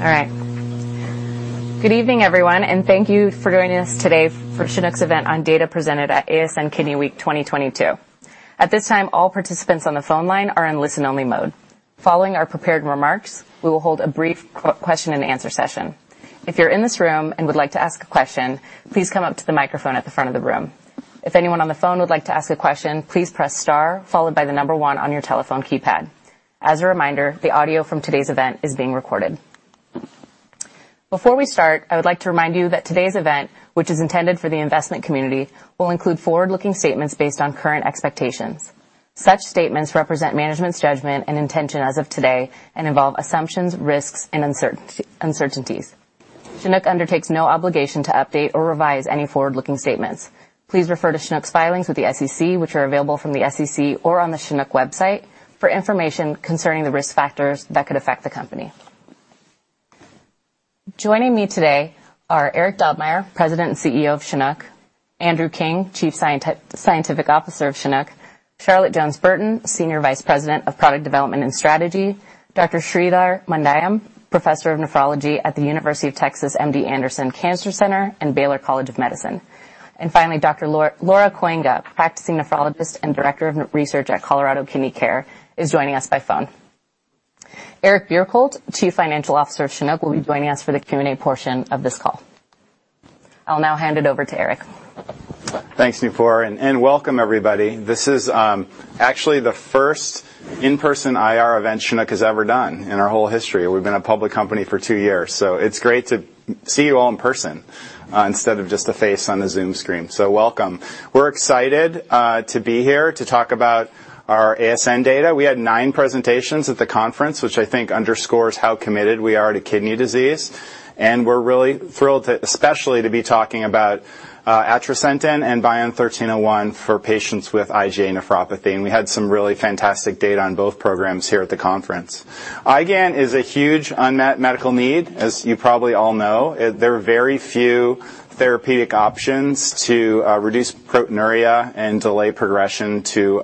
All right. Good evening, everyone, and thank you for joining us today for Chinook's event on data presented at ASN Kidney Week 2022. At this time, all participants on the phone line are in listen-only mode. Following our prepared remarks, we will hold a brief question and answer session. If you're in this room and would like to ask a question, please come up to the microphone at the front of the room. If anyone on the phone would like to ask a question, please press star followed by the number one on your telephone keypad. As a reminder, the audio from today's event is being recorded. Before we start, I would like to remind you that today's event, which is intended for the investment community, will include forward-looking statements based on current expectations. Such statements represent management's judgment and intention as of today and involve assumptions, risks, and uncertainties. Chinook undertakes no obligation to update or revise any forward-looking statements. Please refer to Chinook's filings with the SEC, which are available from the SEC or on the Chinook website for information concerning the risk factors that could affect the company. Joining me today are Eric Dobmeier, President and CEO of Chinook, Andrew King, Chief Scientific Officer of Chinook, Charlotte Jones-Burton, Senior Vice President of Product Development and Strategy, Dr. Sreedhar Mandayam, Professor of Nephrology at the University of Texas MD Anderson Cancer Center and Baylor College of Medicine. Finally, Dr. Laura Kooienga, practicing nephrologist and Director of Research at Colorado Kidney Care, is joining us by phone. Eric Bjerkholt, Chief Financial Officer of Chinook, will be joining us for the Q&A portion of this call. I'll now hand it over to Eric. Thanks, Noopur, and welcome everybody. This is actually the first in-person IR event Chinook has ever done in our whole history. We've been a public company for two years, so it's great to see you all in person instead of just a face on the Zoom screen. Welcome. We're excited to be here to talk about our ASN data. We had nine presentations at the conference, which I think underscores how committed we are to kidney disease, and we're really thrilled to especially be talking about atrasentan and BION-1301 for patients with IgA nephropathy. We had some really fantastic data on both programs here at the conference. IgAN is a huge unmet medical need, as you probably all know. There are very few therapeutic options to reduce proteinuria and delay progression to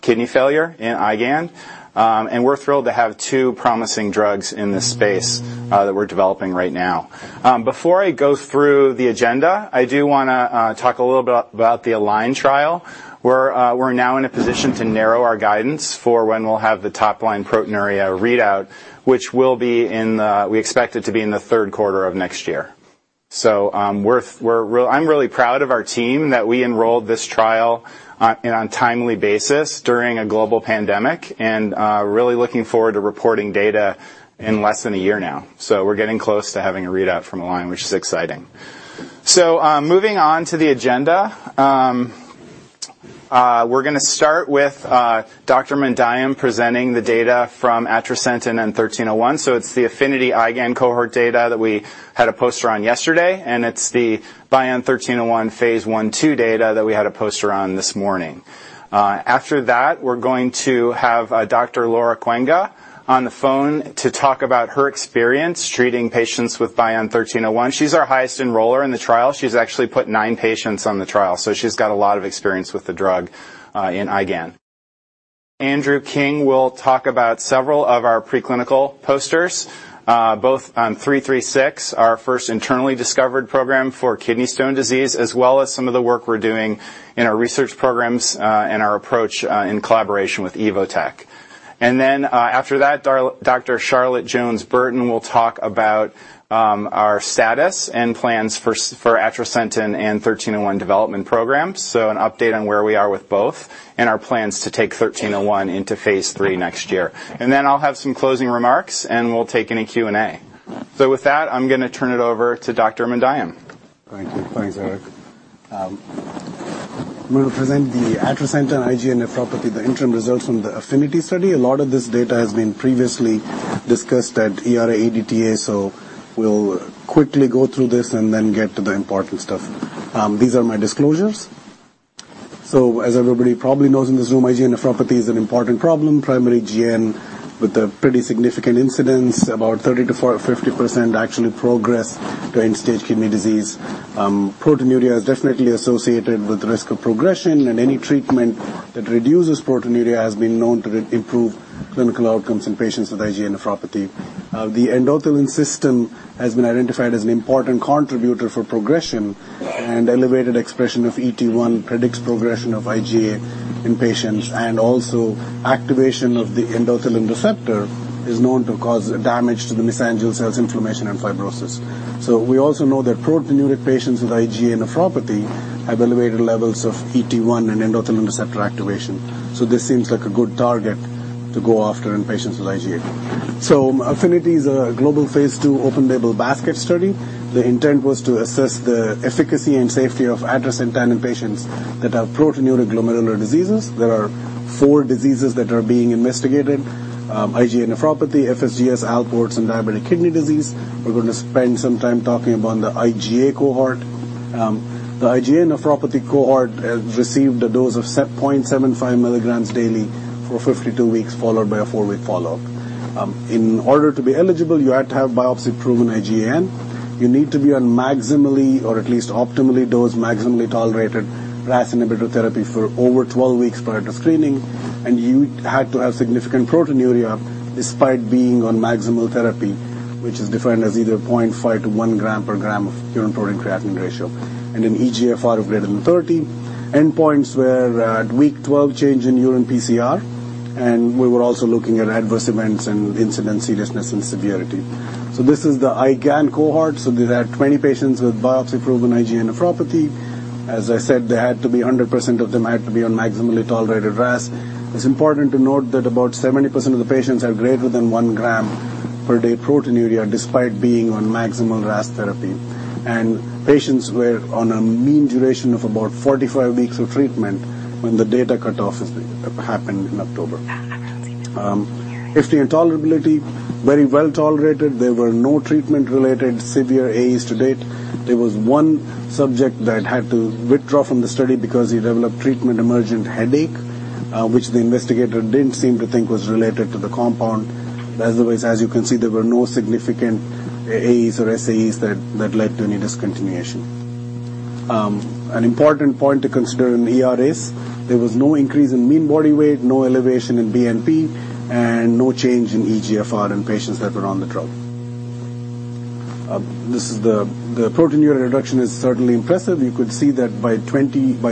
kidney failure in IgAN. We're thrilled to have two promising drugs in this space that we're developing right now. Before I go through the agenda, I do wanna talk a little bit about the ALIGN trial. We're now in a position to narrow our guidance for when we'll have the top-line proteinuria readout, which we expect to be in the third quarter of next year. I'm really proud of our team that we enrolled this trial on, you know, on timely basis during a global pandemic, and really looking forward to reporting data in less than a year now. We're getting close to having a readout from ALIGN, which is exciting. Moving on to the agenda. We're gonna start with Dr. Sreedhar Mandayam presenting the data from atrasentan and BION-1301. It's the AFFINITY IgAN cohort data that we had a poster on yesterday, and it's the BION-1301 phase I-II data that we had a poster on this morning. After that, we're going to have Dr. Laura Kooienga on the phone to talk about her experience treating patients with BION-1301. She's our highest enroller in the trial. She's actually put nine patients on the trial, so she's got a lot of experience with the drug in IgAN. Andrew King will talk about several of our preclinical posters, both on CHK-336, our first internally discovered program for kidney stone disease, as well as some of the work we're doing in our research programs and our approach in collaboration with Evotec. Charlotte Jones-Burton will talk about our status and plans for atrasentan and 1301 development programs, so an update on where we are with both and our plans to take 1301 into phase III next year. Then I'll have some closing remarks, and we'll take any Q&A. With that, I'm gonna turn it over to Dr. Mandayam. Thank you. Thanks, Eric. I'm gonna present the atrasentan IgA nephropathy, the interim results from the AFFINITY study. A lot of this data has been previously discussed at ERA-EDTA, we'll quickly go through this and then get to the important stuff. These are my disclosures. As everybody probably knows in this room, IgA nephropathy is an important problem, primary GN with a pretty significant incidence. About 30%-50% actually progress to end-stage kidney disease. Proteinuria is definitely associated with risk of progression, and any treatment that reduces proteinuria has been known to improve clinical outcomes in patients with IgA nephropathy. The endothelin system has been identified as an important contributor for progression, and elevated expression of ET1 predicts progression of IgA in patients. Also activation of the endothelin receptor is known to cause damage to the mesangial cells, inflammation, and fibrosis. We also know that proteinuria patients with IgA nephropathy have elevated levels of ET-1 and endothelin receptor activation. This seems like a good target to go after in patients with IgA. AFFINITY is a global phase II open-label basket study. The intent was to assess the efficacy and safety of atrasentan in patients that have proteinuria glomerular diseases. There are four diseases that are being investigated, IgA nephropathy, FSGS, Alport, and diabetic kidney disease. We're gonna spend some time talking about the IgA cohort. The IgA nephropathy cohort received a dose of 0.75 mg daily for 52 weeks, followed by a four week follow-up. In order to be eligible, you had to have biopsy-proven IgAN. You need to be on maximally, or at least optimally dosed, maximally tolerated RAS inhibitor therapy for over 12 weeks prior to screening. You had to have significant proteinuria despite being on maximal therapy, which is defined as either 0.5-1 gram per gram of urine protein creatinine ratio and an eGFR of greater than 30. Endpoints were at week 12, change in urine PCR, and we were also looking at adverse events and incidence seriousness and severity. This is the IgAN cohort. These are 20 patients with biopsy-proven IgA nephropathy. As I said, 100% of them had to be on maximally tolerated RAS. It's important to note that about 70% of the patients are greater than 1 gram per day proteinuria despite being on maximal RAS therapy. Patients were on a mean duration of about 45 weeks of treatment when the data cutoff happened in October. Safety and tolerability, very well tolerated. There were no treatment-related severe AEs to date. There was one subject that had to withdraw from the study because he developed treatment-emergent headache, which the investigator didn't seem to think was related to the compound. Otherwise, as you can see, there were no significant AEs or SAEs that led to any discontinuation. An important point to consider in the ERAs, there was no increase in mean body weight, no elevation in BNP, and no change in eGFR in patients that were on the drug. This is the proteinuria reduction is certainly impressive. You could see that by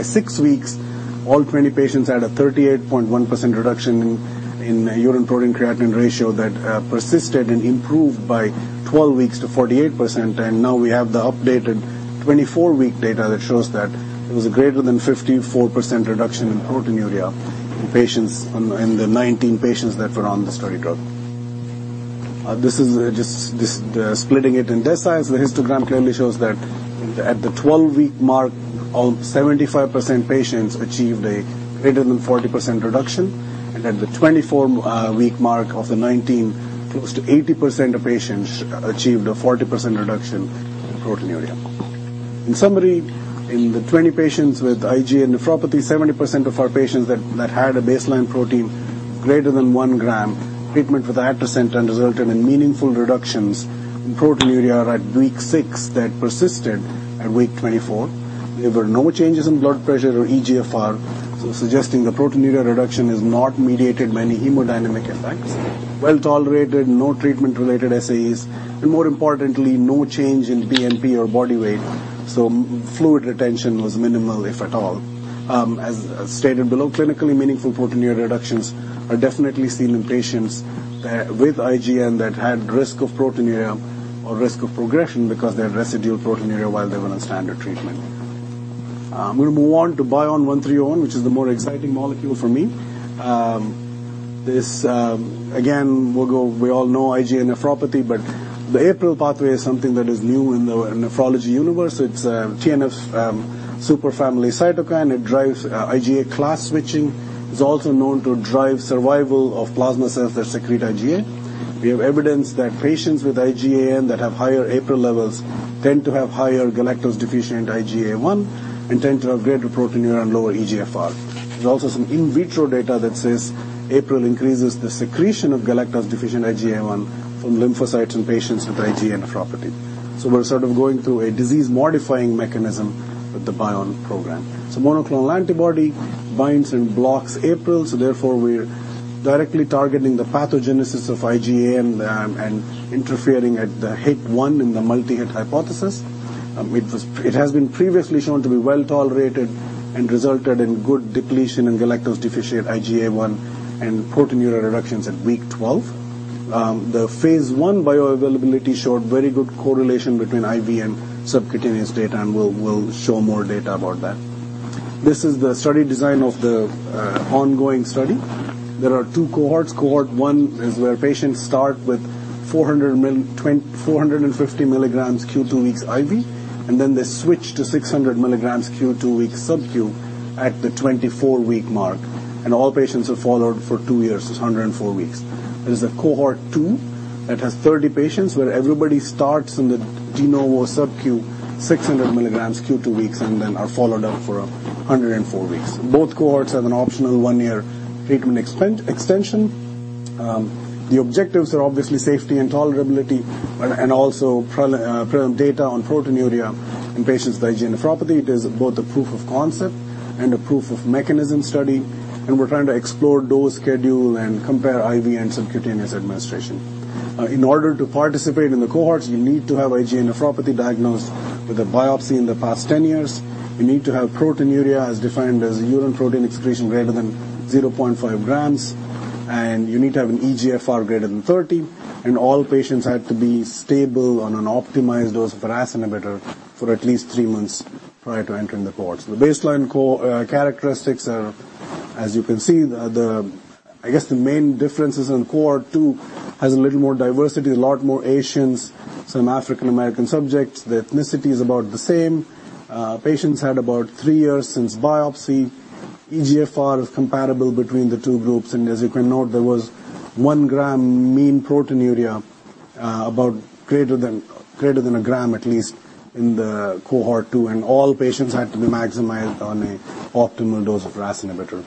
6 weeks, all 20 patients had a 38.1% reduction in urine protein-to-creatinine ratio that persisted and improved by 12 weeks to 48%, and now we have the updated 24-week data that shows that it was a greater than 54% reduction in proteinuria in the 19 patients that were on the study drug. This is just splitting it in deciles. The histogram clearly shows that at the 12-week mark, 75% patients achieved a greater than 40% reduction, and at the 24-week mark, of the 19, close to 80% of patients achieved a 40% reduction in proteinuria. In summary, in the 20 patients with IgA nephropathy, 70% of our patients that had a baseline protein greater than 1 gram, treatment with atrasentan resulted in meaningful reductions in proteinuria at week six that persisted at week 24. There were no changes in blood pressure or eGFR, suggesting the proteinuria reduction is not mediated by any hemodynamic effects. Well-tolerated, no treatment-related SAEs, and more importantly, no change in BNP or body weight, so fluid retention was minimal, if at all. As stated below, clinically meaningful proteinuria reductions are definitely seen in patients with IgA that had risk of proteinuria or risk of progression because they had residual proteinuria while they were on standard treatment. I'm gonna move on to BION-1301, which is the more exciting molecule for me. This... We all know IgA nephropathy, but the APRIL pathway is something that is new in the nephrology universe. It's a TNF superfamily cytokine. It drives IgA class switching. It's also known to drive survival of plasma cells that secrete IgA. We have evidence that patients with IgAN that have higher APRIL levels tend to have higher galactose-deficient IgA1 and tend to have greater proteinuria and lower eGFR. There's also some in vitro data that says APRIL increases the secretion of galactose-deficient IgA1 from lymphocytes in patients with IgA nephropathy. We're sort of going through a disease-modifying mechanism with the BION program. Monoclonal antibody binds and blocks APRIL, so therefore we're directly targeting the pathogenesis of IgA and interfering at the hit one in the multi-hit hypothesis. It has been previously shown to be well-tolerated and resulted in good depletion in galactose-deficient IgA1 and proteinuria reductions at week 12. The phase I bioavailability showed very good correlation between IV and subcutaneous data, and we'll show more data about that. This is the study design of the ongoing study. There are two cohorts. Cohort one is where patients start with 450 milligrams Q 2 weeks IV, and then they switch to 600 milligrams Q 2 weeks sub-Q at the 24-week mark, and all patients are followed for two years, so 104 weeks. There's a cohort two that has 30 patients, where everybody starts in the de novo sub-Q 600 milligrams Q 2 weeks and then are followed up for 104 weeks. Both cohorts have an optional one year treatment extension. The objectives are obviously safety and tolerability and also prelim data on proteinuria in patients with IgA nephropathy. It is both a proof of concept and a proof of mechanism study, and we're trying to explore dose schedule and compare IV and subcutaneous administration. In order to participate in the cohorts, you need to have IgA nephropathy diagnosed with a biopsy in the past 10 years. You need to have proteinuria as defined as urine protein excretion greater than 0.5 grams, and you need to have an eGFR greater than 30, and all patients have to be stable on an optimized dose of a RAS inhibitor for at least 3 months prior to entering the cohorts. The baseline characteristics are, as you can see, the. I guess the main differences in cohort two has a little more diversity, a lot more Asians, some African American subjects. The ethnicity is about the same. Patients had about three years since biopsy. eGFR is comparable between the two groups, and as you can note, there was 1 gram mean proteinuria, about greater than a gram at least in the cohort two, and all patients had to be maximized on a optimal dose of RAS inhibitor.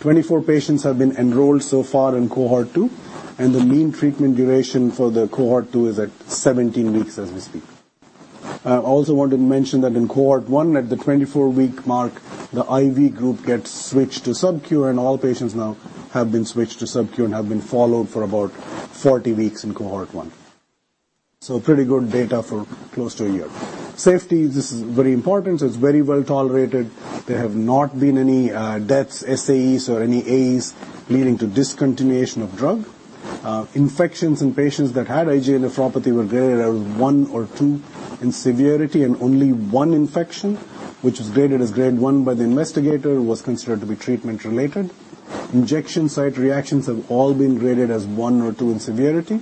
24 patients have been enrolled so far in cohort two, and the mean treatment duration for the cohort two is at 17 weeks as we speak. I also want to mention that in cohort one, at the 24-week mark, the IV group gets switched to sub-Q, and all patients now have been switched to sub-Q and have been followed for about 40 weeks in cohort one. Pretty good data for close to a year. Safety, this is very important. It's very well-tolerated. There have not been any deaths, SAEs or any AEs leading to discontinuation of drug. Infections in patients that had IgA nephropathy were graded as one or two in severity, and only 1 infection, which was graded as grade 1 by the investigator, was considered to be treatment-related. Injection site reactions have all been graded as one or two in severity.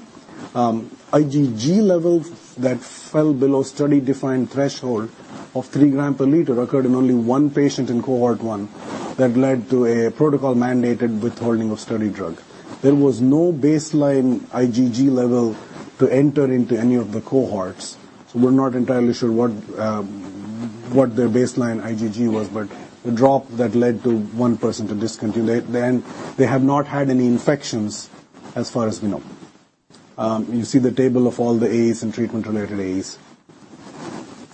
IgG levels that fell below study-defined threshold of 3 g/L occurred in only one patient in cohort 1 that led to a protocol-mandated withholding of study drug. There was no baseline IgG level to enter into any of the cohorts, so we're not entirely sure what their baseline IgG was, but the drop that led one person to discontinue. They have not had any infections as far as we know. You see the table of all the AEs and treatment-related AEs.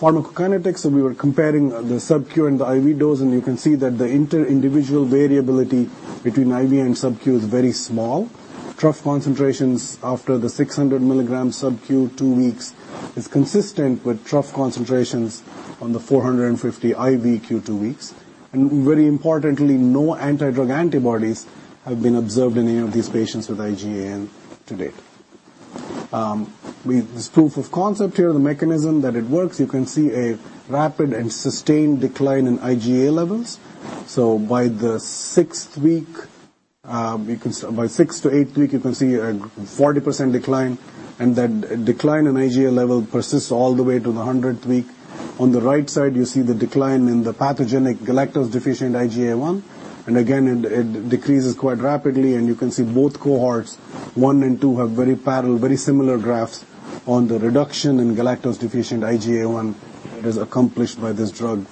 Pharmacokinetics, so we were comparing the sub-Q and the IV dose, and you can see that the inter-individual variability between IV and sub-Q is very small. Trough concentrations after the 600 milligrams sub-Q two weeks is consistent with trough concentrations on the 450 IV Q two weeks. Very importantly, no anti-drug antibodies have been observed in any of these patients with IgAN to date. There's proof of concept here, the mechanism that it works. You can see a rapid and sustained decline in IgA levels. By the sixth week, by 6-8 week, you can see a 40% decline, and that decline in IgA level persists all the way to the 100th week. On the right side, you see the decline in the pathogenic galactose-deficient IgA1. Again, it decreases quite rapidly, and you can see both cohorts, one and two, have very parallel, very similar graphs on the reduction in galactose-deficient IgA1 that is accomplished by this drug.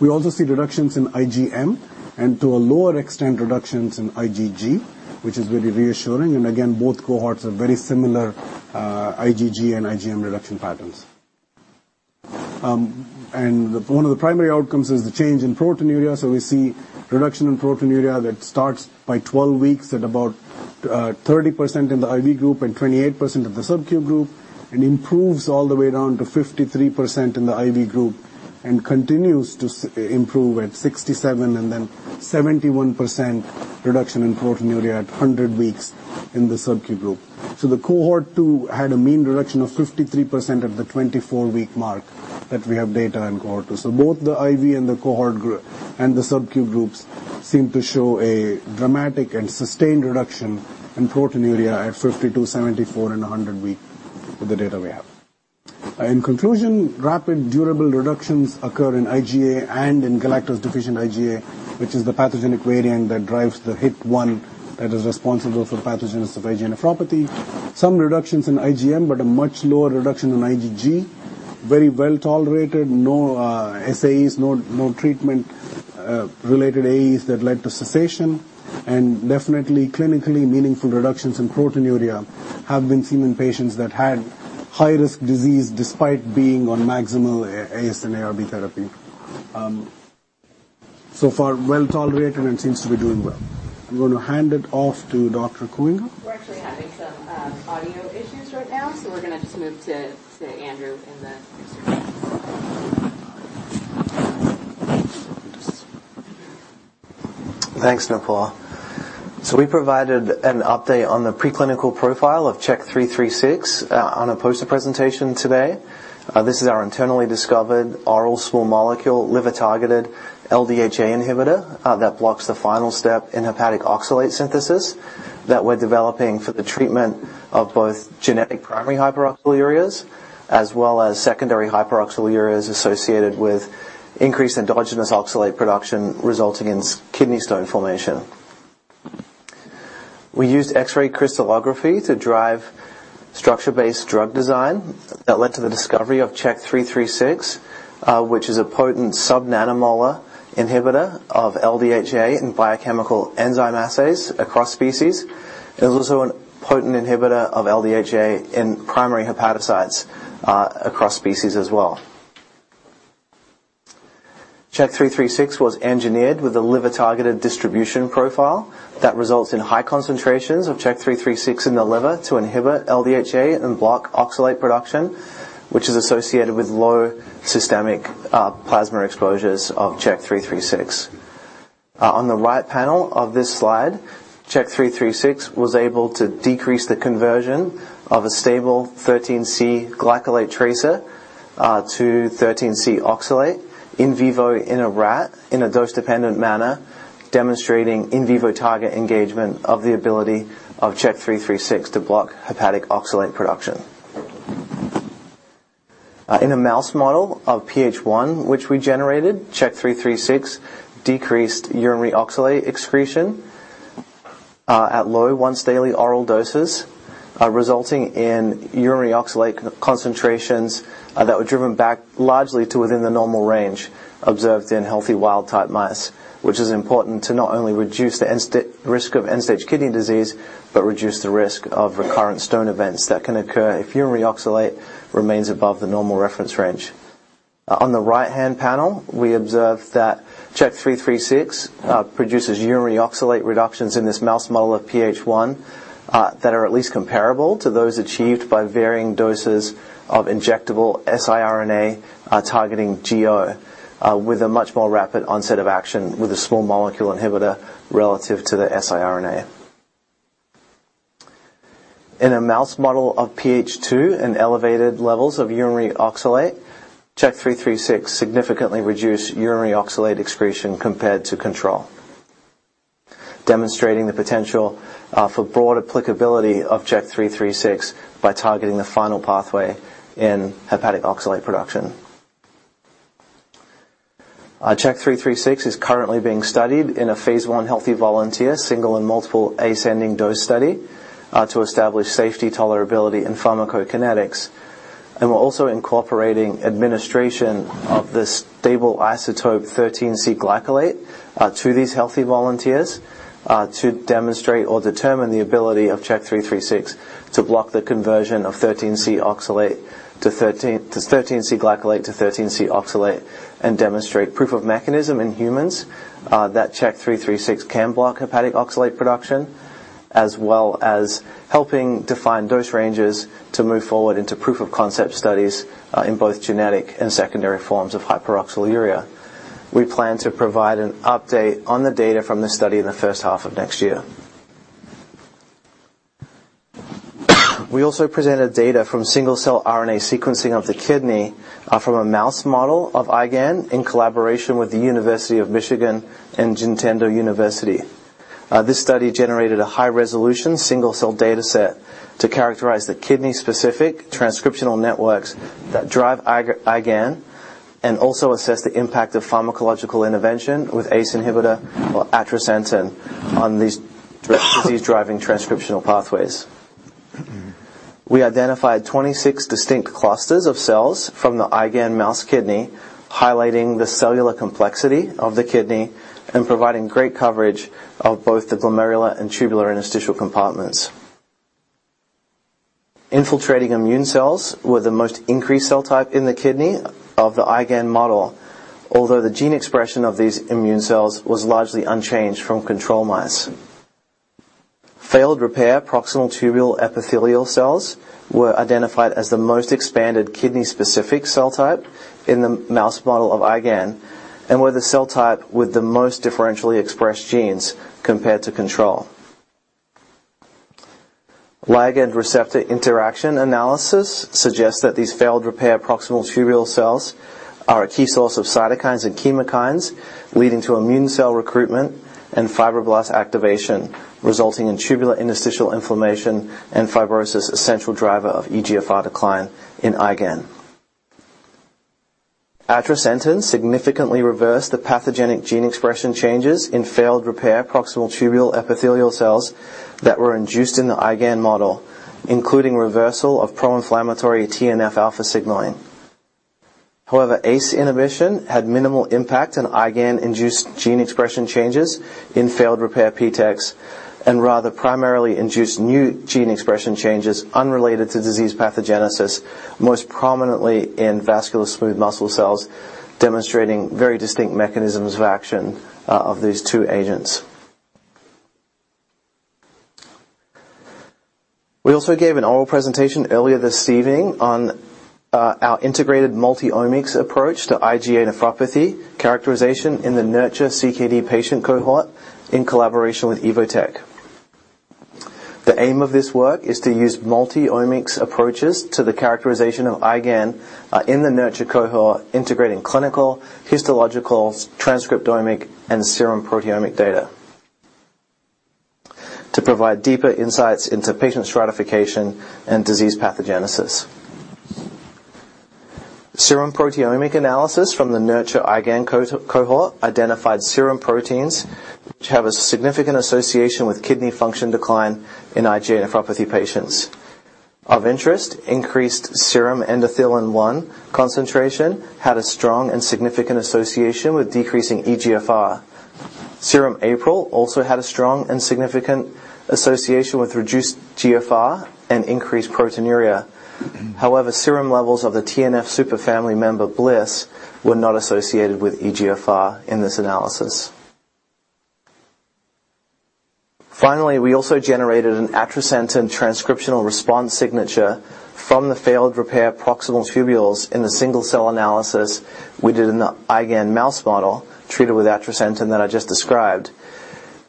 We also see reductions in IgM and to a lower extent, reductions in IgG, which is really reassuring. Again, both cohorts have very similar IgG and IgM reduction patterns. One of the primary outcomes is the change in proteinuria. We see reduction in proteinuria that starts by 12 weeks at about 30% in the IV group and 28% of the sub-Q group, and improves all the way down to 53% in the IV group, and continues to improve at 67% and then 71% reduction in proteinuria at 100 weeks in the sub-Q group. The cohort two had a mean reduction of 53% at the 24-week mark that we have data in cohort two. Both the IV and the sub-Q groups seem to show a dramatic and sustained reduction in proteinuria at 52, 74, and 100 weeks with the data we have. In conclusion, rapid, durable reductions occur in IgA and in galactose-deficient IgA, which is the pathogenic variant that drives the hit one that is responsible for the pathogenesis of IgA nephropathy. Some reductions in IgM, but a much lower reduction in IgG. Very well-tolerated, no SAEs, no treatment-related AEs that led to cessation. Definitely, clinically meaningful reductions in proteinuria have been seen in patients that had high-risk disease despite being on maximal ACE and ARB therapy. So far well-tolerated and seems to be doing well. I'm gonna hand it off to Dr. Kooienga. We're actually having some audio issues right now, so we're gonna just move to Andrew in the research lab. Thanks, Noopur. We provided an update on the preclinical profile of CHK-336 on a poster presentation today. This is our internally discovered oral small molecule liver-targeted LDHA inhibitor that blocks the final step in hepatic oxalate synthesis that we're developing for the treatment of both genetic primary hyperoxalurias as well as secondary hyperoxalurias associated with increased endogenous oxalate production resulting in kidney stone formation. We used X-ray crystallography to drive structure-based drug design that led to the discovery of CHK-336, which is a potent sub-nanomolar inhibitor of LDHA in biochemical enzyme assays across species. It is also a potent inhibitor of LDHA in primary hepatocytes across species as well. CHK-336 was engineered with a liver-targeted distribution profile that results in high concentrations of CHK-336 in the liver to inhibit LDHA and block oxalate production, which is associated with low systemic, plasma exposures of CHK-336. On the right panel of this slide, CHK-336 was able to decrease the conversion of a stable 13C-glycolate tracer to 13C-oxalate in vivo in a rat in a dose-dependent manner, demonstrating in vivo target engagement of the ability of CHK-336 to block hepatic oxalate production. In a mouse model of PH1 which we generated, CHK-336 decreased urinary oxalate excretion at low once-daily oral doses, resulting in urinary oxalate concentrations that were driven back largely to within the normal range observed in healthy wild-type mice, which is important to not only reduce the risk of end-stage kidney disease, but reduce the risk of recurrent stone events that can occur if urinary oxalate remains above the normal reference range. On the right-hand panel, we observe that CHK-336 produces urinary oxalate reductions in this mouse model of PH1 that are at least comparable to those achieved by varying doses of injectable siRNA targeting GO, with a much more rapid onset of action with a small molecule inhibitor relative to the siRNA. In a mouse model of PH2 and elevated levels of urinary oxalate, CHK-336 significantly reduced urinary oxalate excretion compared to control, demonstrating the potential for broad applicability of CHK-336 by targeting the final pathway in hepatic oxalate production. CHK-336 is currently being studied in a phase I healthy volunteer, single and multiple ascending dose study to establish safety, tolerability, and pharmacokinetics. We're also incorporating administration of the stable isotope 13C-glycolate to these healthy volunteers to demonstrate or determine the ability of CHK-336 to block the conversion of 13C-glycolate to 13C-oxalate and demonstrate proof of mechanism in humans that CHK-336 can block hepatic oxalate production, as well as helping define dose ranges to move forward into proof of concept studies in both genetic and secondary forms of hyperoxaluria. We plan to provide an update on the data from the study in the first half of next year. We also presented data from single-cell RNA sequencing of the kidney from a mouse model of IgAN in collaboration with the University of Michigan and Juntendo University. This study generated a high-resolution single-cell data set to characterize the kidney-specific transcriptional networks that drive IgAN and also assess the impact of pharmacological intervention with ACE inhibitor or atrasentan on these disease-driving transcriptional pathways. We identified 26 distinct clusters of cells from the IgAN mouse kidney, highlighting the cellular complexity of the kidney and providing great coverage of both the glomerular and tubular interstitial compartments. Infiltrating immune cells were the most increased cell type in the kidney of the IgAN model, although the gene expression of these immune cells was largely unchanged from control mice. Failed repair proximal tubule epithelial cells were identified as the most expanded kidney-specific cell type in the mouse model of IgAN and were the cell type with the most differentially expressed genes compared to control. Ligand receptor interaction analysis suggests that these failed repair proximal tubule cells are a key source of cytokines and chemokines, leading to immune cell recruitment and fibroblast activation, resulting in tubular interstitial inflammation and fibrosis, essential driver of eGFR decline in IgAN. Atrasentan significantly reversed the pathogenic gene expression changes in failed repair proximal tubule epithelial cells that were induced in the IgAN model, including reversal of pro-inflammatory TNF-alpha signaling. However, ACE inhibition had minimal impact on IgAN-induced gene expression changes in failed repair PTECs and rather primarily induced new gene expression changes unrelated to disease pathogenesis, most prominently in vascular smooth muscle cells, demonstrating very distinct mechanisms of action of these two agents. We also gave an oral presentation earlier this evening on our integrated multi-omics approach to IgA nephropathy characterization in the NURTuRE CKD patient cohort in collaboration with Evotec. The aim of this work is to use multi-omics approaches to the characterization of IgAN in the NURTuRE cohort, integrating clinical, histological, transcriptomic, and serum proteomic data to provide deeper insights into patient stratification and disease pathogenesis. Serum proteomic analysis from the NURTuRE IgAN cohort identified serum proteins which have a significant association with kidney function decline in IgA nephropathy patients. Of interest, increased serum endothelin-1 concentration had a strong and significant association with decreasing eGFR. Serum APRIL also had a strong and significant association with reduced GFR and increased proteinuria. However, serum levels of the TNF superfamily member BLyS were not associated with eGFR in this analysis. Finally, we also generated an atrasentan transcriptional response signature from the failed repair proximal tubules in the single-cell analysis we did in the IgAN mouse model treated with atrasentan that I just described.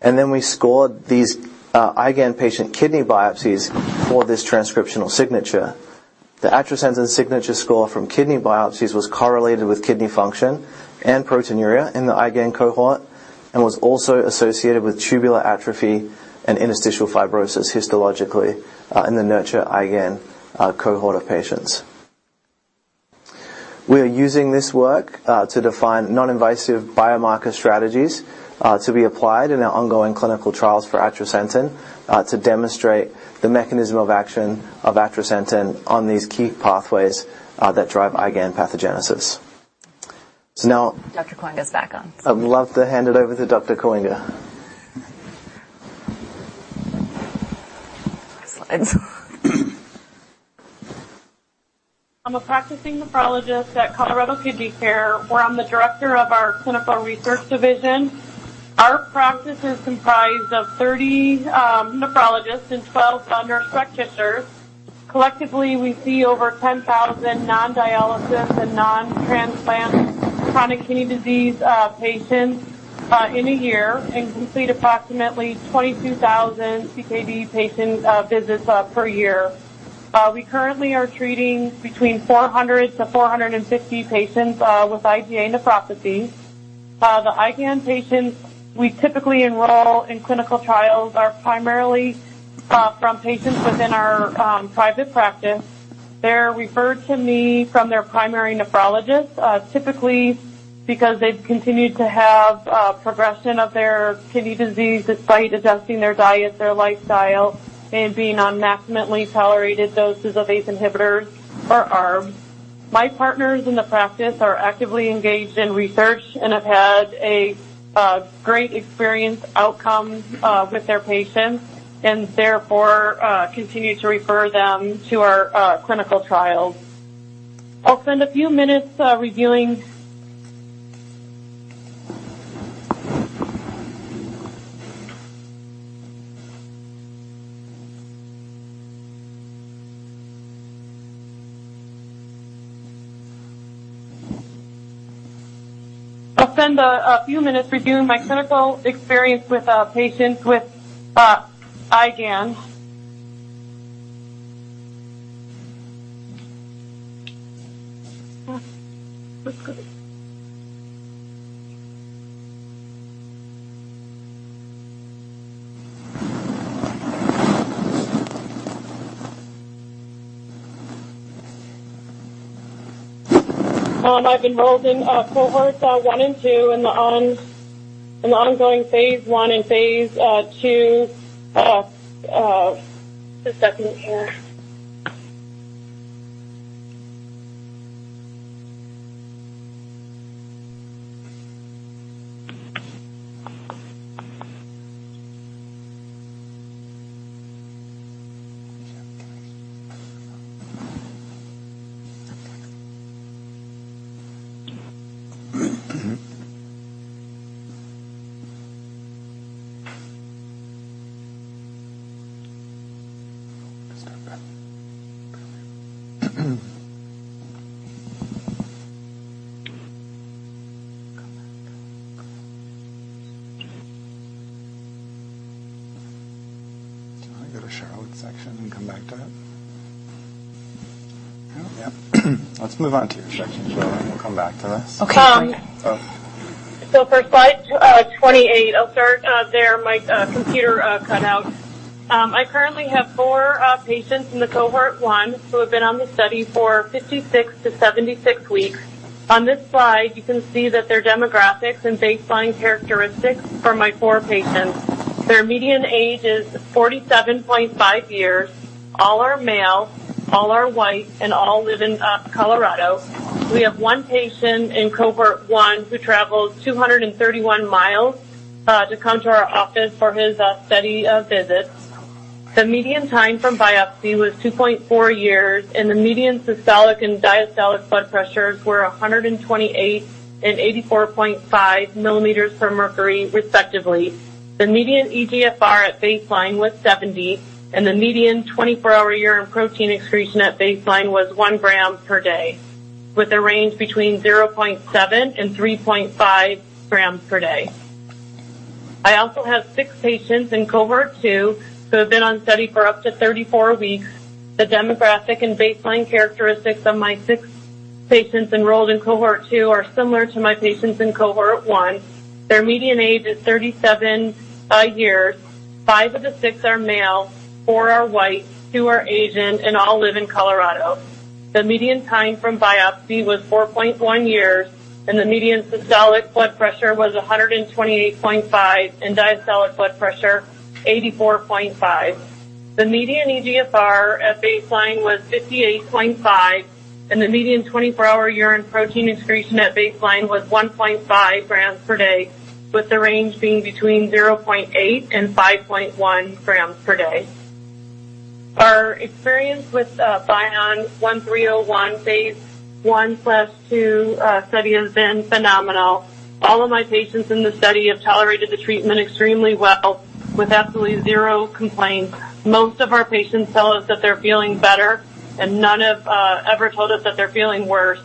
We scored these IgAN patient kidney biopsies for this transcriptional signature. The atrasentan signature score from kidney biopsies was correlated with kidney function and proteinuria in the IgAN cohort and was also associated with tubular atrophy and interstitial fibrosis histologically in the NURTuRE IgAN cohort of patients. We are using this work to define non-invasive biomarker strategies to be applied in our ongoing clinical trials for atrasentan to demonstrate the mechanism of action of atrasentan on these key pathways that drive IgAN pathogenesis. Dr. Kooienga's back on. I'd love to hand it over to Dr. Kooienga. Next slide. I'm a practicing nephrologist at Colorado Kidney Care, where I'm the director of our clinical research division. Our practice is comprised of 30 nephrologists and 12 nurse practitioners. Collectively, we see over 10,000 non-dialysis and non-transplant chronic kidney disease patients in a year and complete approximately 22,000 CKD patient visits per year. We currently are treating between 400-450 patients with IgA nephropathy. The IgAN patients we typically enroll in clinical trials are primarily from patients within our private practice. They're referred to me from their primary nephrologist. Typically because they've continued to have progression of their kidney disease despite adjusting their diet, their lifestyle, and being on maximally tolerated doses of ACE inhibitors or ARBs. My partners in the practice are actively engaged in research and have had a great experience outcome with their patients, and therefore continue to refer them to our clinical trials. I'll spend a few minutes reviewing my clinical experience with patients with IgAN. I've enrolled in cohorts 1 and 2 in an ongoing phase I and phase II study here. Do you want to go to Charlotte's section and come back to it? Yeah. Let's move on to your section, Charlotte, and we'll come back to this. Okay. Great. For slide 28. I'll start there. My computer cut out. I currently have four patients in Cohort 1 who have been on the study for 56-76 weeks. On this slide, you can see that their demographics and baseline characteristics for my four patients. Their median age is 47.5 years. All are male, all are White, and all live in Colorado. We have one patient in Cohort 1 who travels 231 miles to come to our office for his study visits. The median time from biopsy was 2.4 years, and the median systolic and diastolic blood pressures were 128 and 84.5 millimeters of mercury, respectively. The median eGFR at baseline was 70, and the median 24-hour urine protein excretion at baseline was 1 gram per day, with a range between 0.7 and 3.5 grams per day. I also have six patients in cohort two who have been on study for up to 34 weeks. The demographic and baseline characteristics of my six patients enrolled in cohort two are similar to my patients in cohort one. Their median age is 37 years. Five of the six are male, four are White, two are Asian, and all live in Colorado. The median time from biopsy was 4.1 years, and the median systolic blood pressure was 128.5, and diastolic blood pressure 84.5. The median eGFR at baseline was 58.5, and the median 24-hour urine protein excretion at baseline was 1.5 grams per day, with the range being between 0.8 and 5.1 grams per day. Our experience with BION-1301 phase I + II study has been phenomenal. All of my patients in the study have tolerated the treatment extremely well with absolutely zero complaints. Most of our patients tell us that they're feeling better, and none have ever told us that they're feeling worse.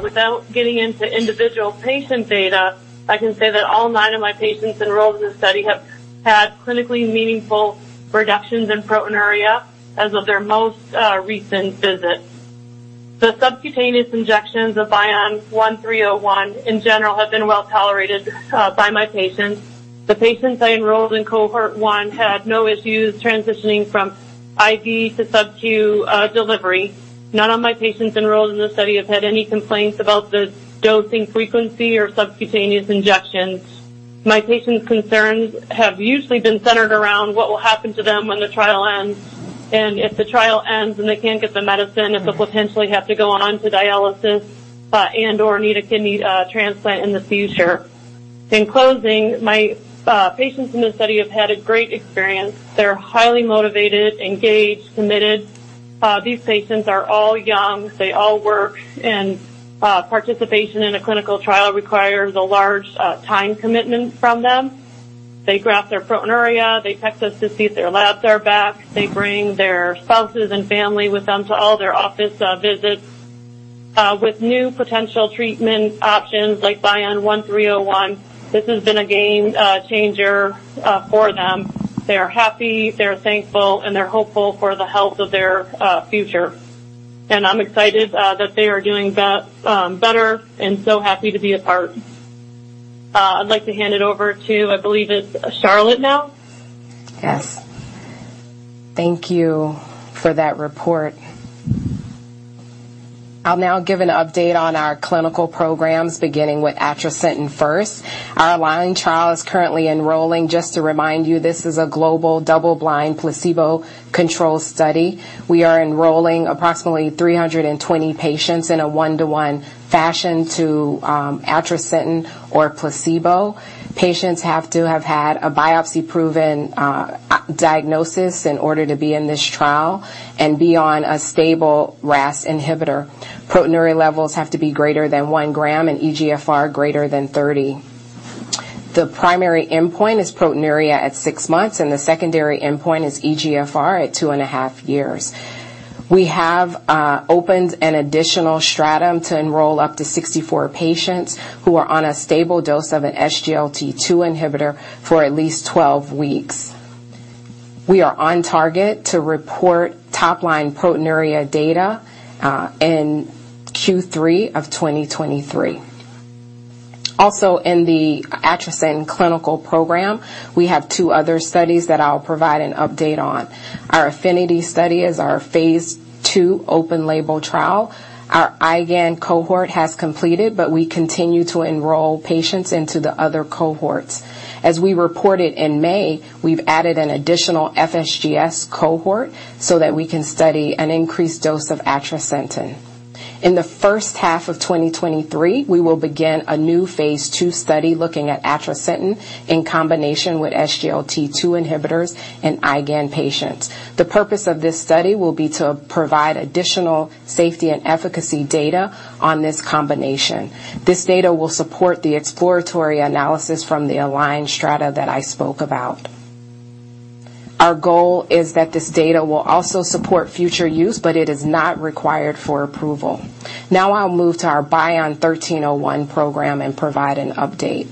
Without getting into individual patient data, I can say that all nine of my patients enrolled in the study have had clinically meaningful reductions in proteinuria as of their most recent visit. The subcutaneous injections of BION-1301 in general have been well-tolerated by my patients. The patients I enrolled in cohort 1 had no issues transitioning from IV to sub-Q delivery. None of my patients enrolled in the study have had any complaints about the dosing frequency or subcutaneous injections. My patients' concerns have usually been centered around what will happen to them when the trial ends, and if the trial ends and they can't get the medicine, if they'll potentially have to go on to dialysis and/or need a kidney transplant in the future. In closing, my patients in this study have had a great experience. They're highly motivated, engaged, committed. These patients are all young. They all work and participation in a clinical trial requires a large time commitment from them. They graph their proteinuria. They text us to see if their labs are back. They bring their spouses and family with them to all their office visits. With new potential treatment options like BION-1301, this has been a game changer for them. They are happy, they're thankful, and they're hopeful for the health of their future. I'm excited that they are doing better and so happy to be a part. I'd like to hand it over to I believe it's Charlotte now. Yes. Thank you for that report. I'll now give an update on our clinical programs, beginning with atrasentan first. Our ALIGN trial is currently enrolling. Just to remind you, this is a global double-blind placebo-controlled study. We are enrolling approximately 320 patients in a one-to-one fashion to atrasentan or placebo. Patients have to have had a biopsy-proven diagnosis in order to be in this trial and be on a stable RAS inhibitor. Proteinuria levels have to be greater than 1 gram and eGFR greater than 30. The primary endpoint is proteinuria at 6 months, and the secondary endpoint is eGFR at 2.5 years. We have opened an additional stratum to enroll up to 64 patients who are on a stable dose of an SGLT2 inhibitor for at least 12 weeks. We are on target to report top-line proteinuria data in Q3 of 2023. Also, in the atrasentan clinical program, we have two other studies that I'll provide an update on. Our AFFINITY study is our phase II open-label trial. Our IgAN cohort has completed, but we continue to enroll patients into the other cohorts. As we reported in May, we've added an additional FSGS cohort so that we can study an increased dose of atrasentan. In the first half of 2023, we will begin a new phase II study looking at atrasentan in combination with SGLT2 inhibitors in IgAN patients. The purpose of this study will be to provide additional safety and efficacy data on this combination. This data will support the exploratory analysis from the ALIGN strata that I spoke about. Our goal is that this data will also support future use, but it is not required for approval. Now I'll move to our BION-1301 program and provide an update.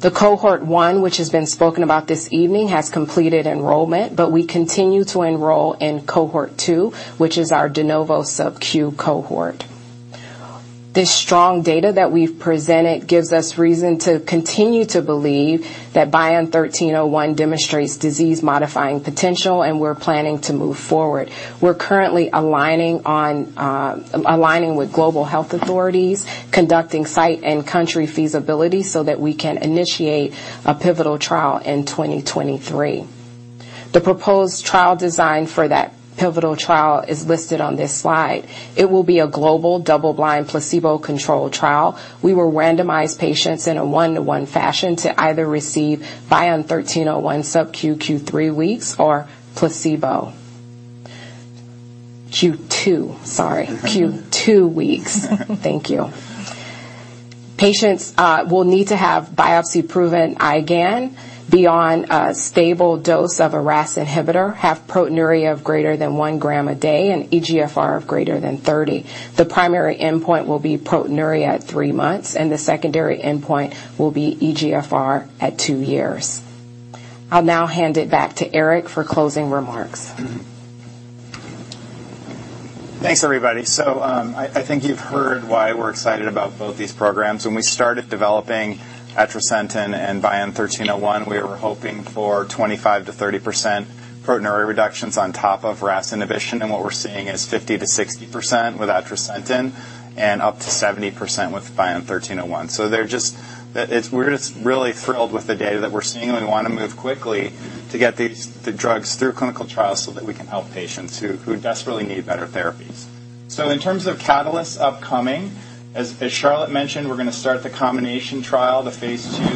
The Cohort 1, which has been spoken about this evening, has completed enrollment, but we continue to enroll in Cohort 2, which is our de novo sub-Q cohort. The strong data that we've presented gives us reason to continue to believe that BION-1301 demonstrates disease-modifying potential, and we're planning to move forward. We're currently aligning with global health authorities, conducting site and country feasibility so that we can initiate a pivotal trial in 2023. The proposed trial design for that pivotal trial is listed on this slide. It will be a global double-blind placebo-controlled trial. We will randomize patients in a 1:1 fashion to either receive BION-1301 sub-Q Q2 weeks or placebo. Thank you. Patients will need to have biopsy-proven IgAN, be on a stable dose of a RAS inhibitor, have proteinuria of greater than 1 gram a day, and eGFR of greater than 30. The primary endpoint will be proteinuria at three months, and the secondary endpoint will be eGFR at two years. I'll now hand it back to Eric for closing remarks. Thanks, everybody. I think you've heard why we're excited about both these programs. When we started developing atrasentan and BION-1301, we were hoping for 25%-30% proteinuria reductions on top of RAS inhibition, and what we're seeing is 50%-60% with atrasentan and up to 70% with BION-1301. We're just really thrilled with the data that we're seeing, and we wanna move quickly to get these drugs through clinical trials so that we can help patients who desperately need better therapies. In terms of catalysts upcoming, as Charlotte mentioned, we're gonna start the combination trial, the phase II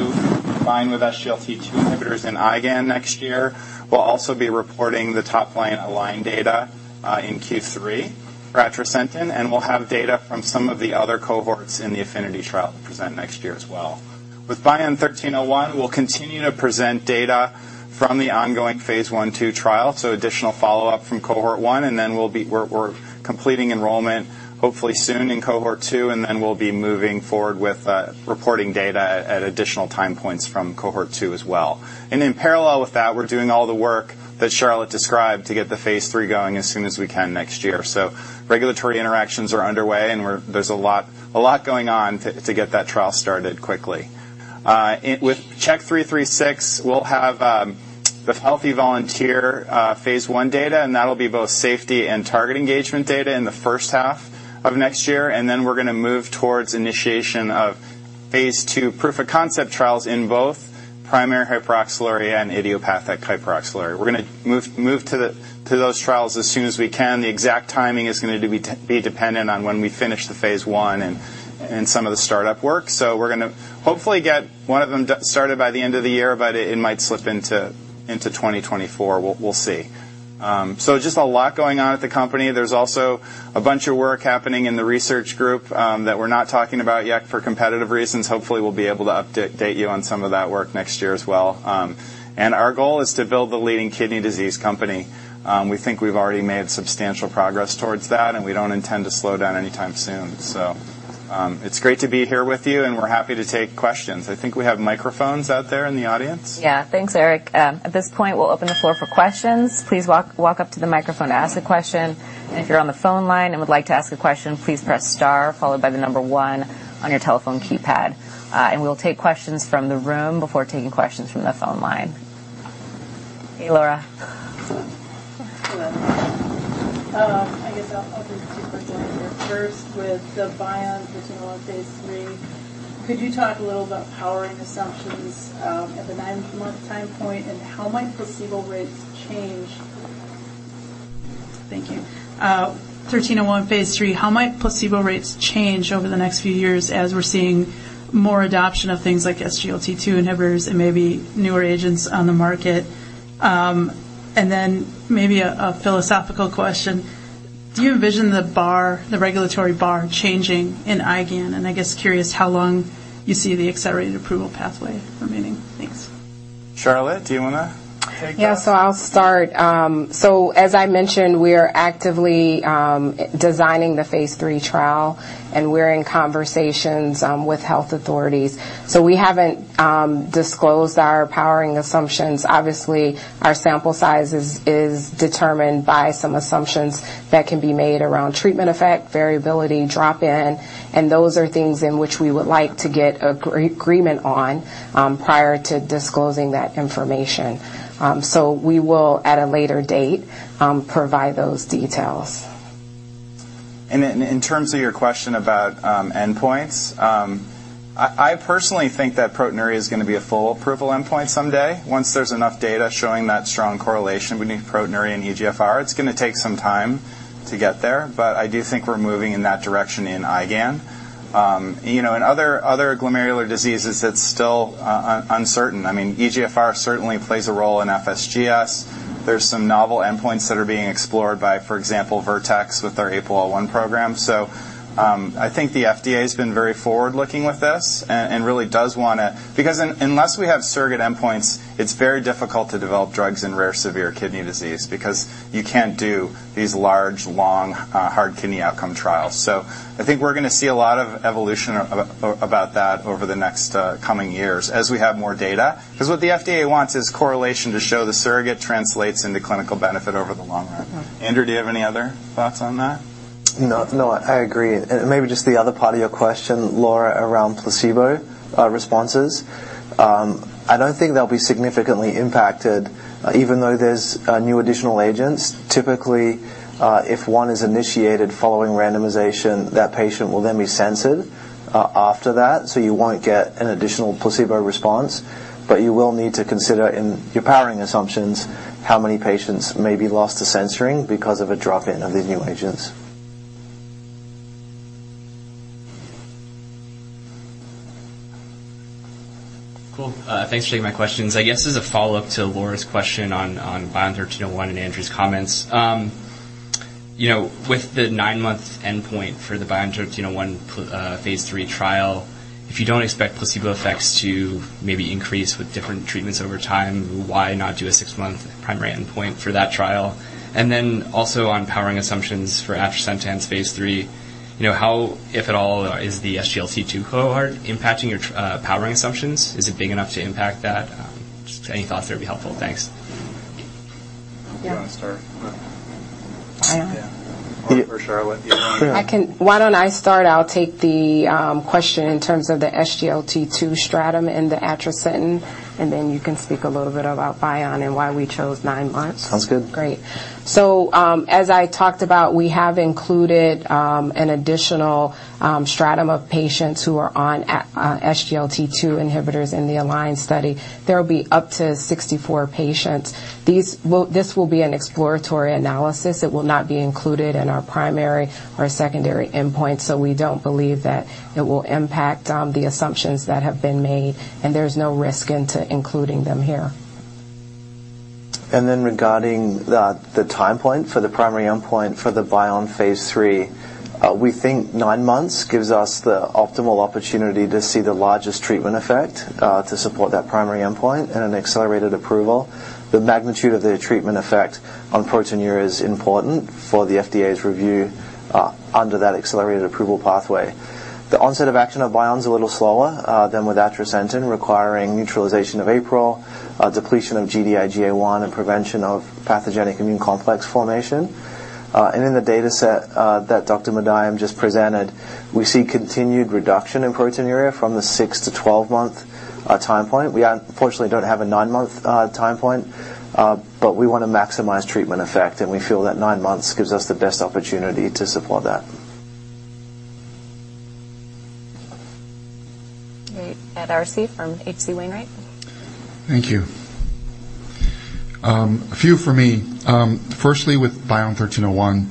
combined with SGLT2 inhibitors in IgAN next year. We'll also be reporting the top-line ALIGN data in Q3 for atrasentan, and we'll have data from some of the other cohorts in the AFFINITY trial to present next year as well. With BION-1301, we'll continue to present data from the ongoing phase I-II trial, so additional follow-up from Cohort One, and then we'll be completing enrollment, hopefully soon in Cohort Two, and then we'll be moving forward with reporting data at additional time points from Cohort Two as well. In parallel with that, we're doing all the work that Charlotte described to get the phase III going as soon as we can next year. Regulatory interactions are underway, and there's a lot going on to get that trial started quickly. With CHK-336, we'll have the healthy volunteer phase I data, and that'll be both safety and target engagement data in the first half of next year, and then we're gonna move towards initiation of phase II proof-of-concept trials in both primary hyperoxaluria and idiopathic hyperoxaluria. We're gonna move to those trials as soon as we can. The exact timing is gonna be dependent on when we finish the phase I and some of the startup work. We're gonna hopefully get one of them started by the end of the year, but it might slip into 2024. We'll see. Just a lot going on at the company. There's also a bunch of work happening in the research group that we're not talking about yet for competitive reasons. Hopefully, we'll be able to update you on some of that work next year as well. Our goal is to build the leading kidney disease company. We think we've already made substantial progress towards that, and we don't intend to slow down anytime soon. It's great to be here with you, and we're happy to take questions. I think we have microphones out there in the audience. Yeah. Thanks, Eric. At this point, we'll open the floor for questions. Please walk up to the microphone to ask a question. If you're on the phone line and would like to ask a question, please press star followed by the number one on your telephone keypad. We'll take questions from the room before taking questions from the phone line. Hey, Laura. Hello. I guess I'll have two questions. First, with the BION-1301 phase III, could you talk a little about powering assumptions at the nine month time point, and how might placebo rates change? Thank you. BION-1301 phase III, how might placebo rates change over the next few years as we're seeing more adoption of things like SGLT2 inhibitors and maybe newer agents on the market? Then maybe a philosophical question. Do you envision the regulatory bar changing in IgAN? I guess curious how long you see the accelerated approval pathway remaining. Thanks. Charlotte, do you wanna take that? Yeah. I'll start. As I mentioned, we are actively designing the phase III trial, and we're in conversations with health authorities. We haven't disclosed our powering assumptions. Obviously, our sample size is determined by some assumptions that can be made around treatment effect, variability, drop-in, and those are things in which we would like to get a agreement on prior to disclosing that information. We will, at a later date, provide those details. In terms of your question about endpoints. I personally think that proteinuria is gonna be a full approval endpoint someday once there's enough data showing that strong correlation between proteinuria and eGFR. It's gonna take some time to get there, but I do think we're moving in that direction in IgAN. You know, in other glomerular diseases, it's still uncertain. I mean, eGFR certainly plays a role in FSGS. There's some novel endpoints that are being explored by, for example, Vertex with their APOL1 program. I think the FDA's been very forward-looking with this and really does wanna. Because unless we have surrogate endpoints, it's very difficult to develop drugs in rare severe kidney disease because you can't do these large, long, hard kidney outcome trials. I think we're gonna see a lot of evolution about that over the next coming years as we have more data. 'Cause what the FDA wants is correlation to show the surrogate translates into clinical benefit over the long run. Andrew, do you have any other thoughts on that? No, no, I agree. Maybe just the other part of your question, Laura, around placebo responses. I don't think they'll be significantly impacted even though there's new additional agents. Typically, if one is initiated following randomization, that patient will then be censored after that. So you won't get an additional placebo response. You will need to consider in your powering assumptions how many patients may be lost to censoring because of a drop-in of the new agents. Cool. Thanks for taking my questions. I guess as a follow-up to Laura's question on BION-1301 and Andrew's comments. You know, with the nine-month endpoint for the BION-1301 phase III trial, if you don't expect placebo effects to maybe increase with different treatments over time, why not do a six-month primary endpoint for that trial? Then also on powering assumptions for atrasentan's phase III, you know, how, if at all, is the SGLT2 cohort impacting your powering assumptions? Is it big enough to impact that? Just any thoughts there would be helpful. Thanks. Yeah. Do you wanna start? I. Yeah. Charlotte, do you mind? Why don't I start? I'll take the question in terms of the SGLT2 stratum and the Atrasentan, and then you can speak a little bit about BION-1301 and why we chose nine months. Sounds good. Great. As I talked about, we have included an additional stratum of patients who are on SGLT2 inhibitors in the ALIGN study. There will be up to 64 patients. This will be an exploratory analysis. It will not be included in our primary or secondary endpoint, so we don't believe that it will impact the assumptions that have been made, and there's no risk in including them here. Regarding the time point for the primary endpoint for the BION phase III, we think 9 months gives us the optimal opportunity to see the largest treatment effect to support that primary endpoint and an accelerated approval. The magnitude of the treatment effect on proteinuria is important for the FDA's review under that accelerated approval pathway. The onset of action of BION is a little slower than with atrasentan, requiring neutralization of APRIL, depletion of Gd-IgA1, and prevention of pathogenic immune complex formation. In the dataset that Dr. Mandayam just presented, we see continued reduction in proteinuria from the 6-12 month time point. We unfortunately don't have a nine month time point, but we wanna maximize treatment effect, and we feel that nine months gives us the best opportunity to support that. Great. Ed Arce from H.C. Wainwright & Co. Thank you. A few for me. Firstly, with BION-1301,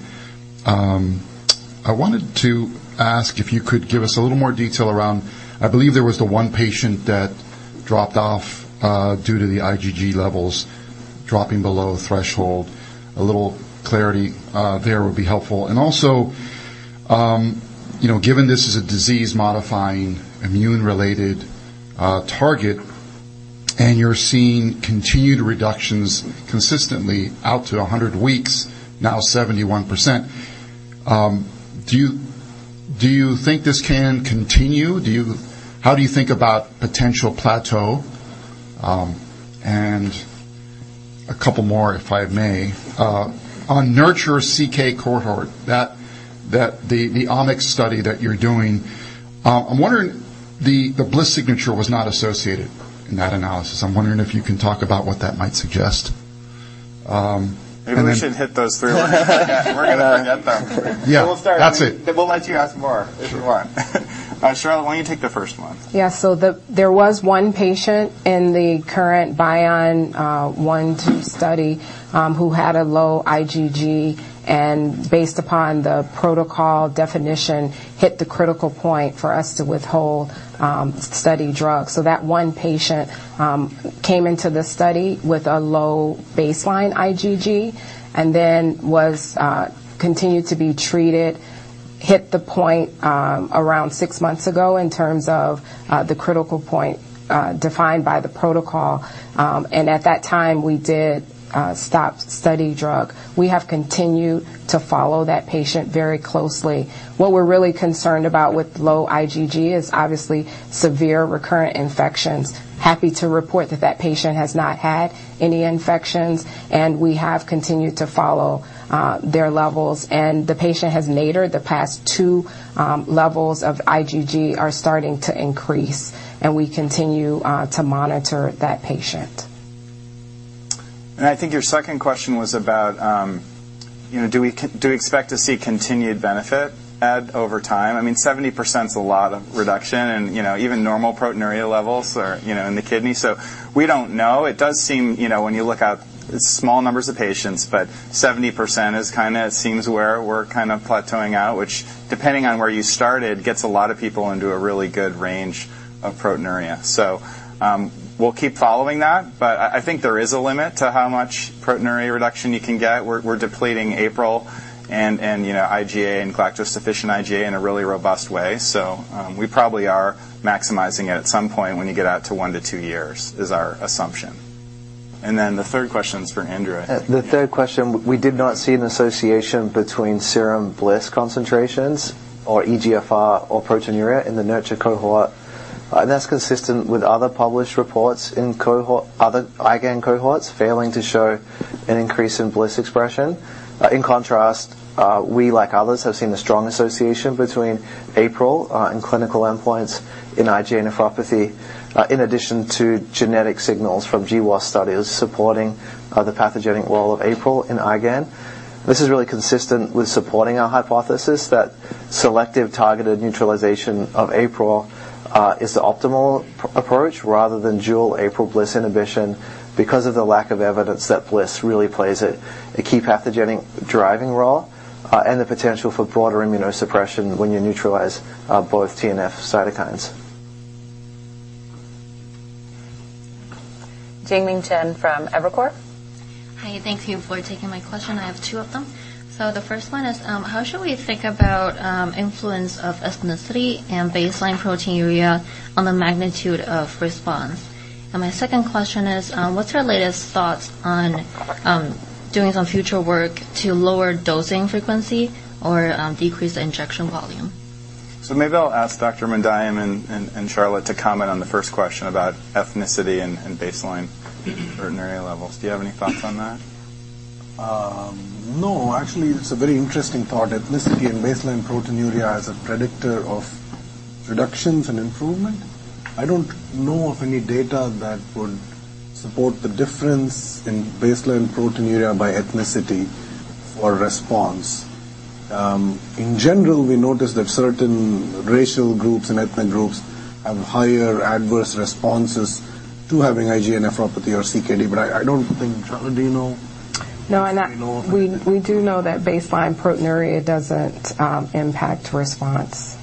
I wanted to ask if you could give us a little more detail around I believe there was the one patient that dropped off due to the IgG levels dropping below threshold. A little clarity there would be helpful. And also, you know, given this is a disease-modifying, immune-related target, and you're seeing continued reductions consistently out to 100 weeks, now 71%, do you think this can continue? How do you think about potential plateau? And a couple more, if I may. On NURTuRE CKD cohort, the omics study that you're doing, I'm wondering The BLyS signature was not associated in that analysis. I'm wondering if you can talk about what that might suggest. Maybe we should hit those three ones. We're gonna forget them. Yeah. That's it. We'll start. We'll let you ask more if you want. Charlotte, why don't you take the first one? There was one patient in the current BION-1301 study who had a low IgG, and based upon the protocol definition, hit the critical point for us to withhold study drugs. That one patient came into the study with a low baseline IgG and then was continued to be treated, hit the point around six months ago in terms of the critical point defined by the protocol. At that time we did stop study drug. We have continued to follow that patient very closely. What we're really concerned about with low IgG is obviously severe recurrent infections. Happy to report that patient has not had any infections, and we have continued to follow their levels. The patient has nadired. The past two levels of IgG are starting to increase, and we continue to monitor that patient. I think your second question was about, you know, do we expect to see continued benefit added over time? I mean, 70% is a lot of reduction and, you know, even normal proteinuria levels are, you know, in the kidney. We don't know. It does seem, you know, when you look at small numbers of patients, but 70% kinda seems where we're kind of plateauing out, which depending on where you started, gets a lot of people into a really good range of proteinuria. We'll keep following that, but I think there is a limit to how much proteinuria reduction you can get. We're depleting APRIL and, you know, IgA and galactose-deficient IgA in a really robust way. We probably are maximizing it at some point when you get out to 1-2 years, is our assumption. Then the third question is for Andrew, I think. The third question, we did not see an association between serum BLyS concentrations or eGFR or proteinuria in the NURTuRE cohort. That's consistent with other published reports in other IgAN cohorts failing to show an increase in BLyS expression. In contrast, we, like others, have seen a strong association between APRIL and clinical endpoints in IgA nephropathy, in addition to genetic signals from GWAS studies supporting the pathogenic role of APRIL in IgAN. This is really consistent with supporting our hypothesis that selective targeted neutralization of APRIL is the optimal approach rather than dual APRIL BLyS inhibition because of the lack of evidence that BLyS really plays a key pathogenic driving role and the potential for broader immunosuppression when you neutralize both TNF cytokines. Jingming Chen from Evercore. Hi, thank you for taking my question. I have two of them. The first one is, how should we think about influence of ethnicity and baseline proteinuria on the magnitude of response? And my second question is, what's your latest thoughts on doing some future work to lower dosing frequency or decrease the injection volume? Maybe I'll ask Dr. Mandayam and Charlotte to comment on the first question about ethnicity and baseline proteinuria levels. Do you have any thoughts on that? No. Actually, it's a very interesting thought, ethnicity and baseline proteinuria as a predictor of reductions and improvement. I don't know of any data that would support the difference in baseline proteinuria by ethnicity or response. In general, we notice that certain racial groups and ethnic groups have higher adverse responses to having IgA nephropathy or CKD, but I don't think. Charlotte, do you know? No, I'm not. Do you know of? We do know that baseline proteinuria doesn't impact response.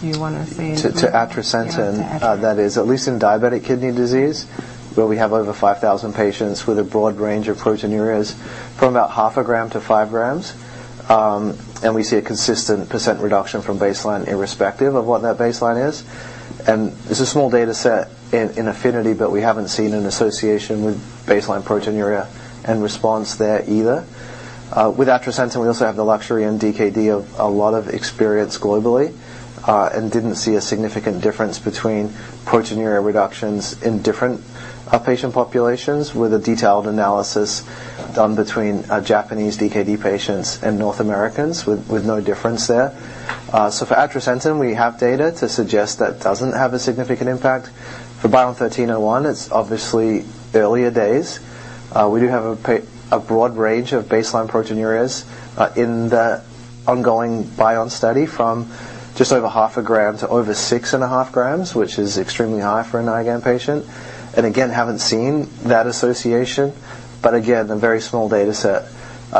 Do you wanna say- To atrasentan. Yeah. To atrasentan. That is at least in diabetic kidney disease, where we have over 5,000 patients with a broad range of proteinuria from about half a gram to 5 grams. We see a consistent % reduction from baseline irrespective of what that baseline is. It's a small data set in AFFINITY, but we haven't seen an association with baseline proteinuria and response there either. With atrasentan we also have the luxury in DKD of a lot of experience globally, and didn't see a significant difference between proteinuria reductions in different patient populations with a detailed analysis done between Japanese DKD patients and North Americans with no difference there. For atrasentan, we have data to suggest that it doesn't have a significant impact. For BION-1301, it's obviously earlier days. We do have a broad range of baseline proteinuria in the ongoing BION-1301 study from just over 0.5 gram to over 6.5 grams, which is extremely high for an IgAN patient. Again, haven't seen that association, but again, a very small data set.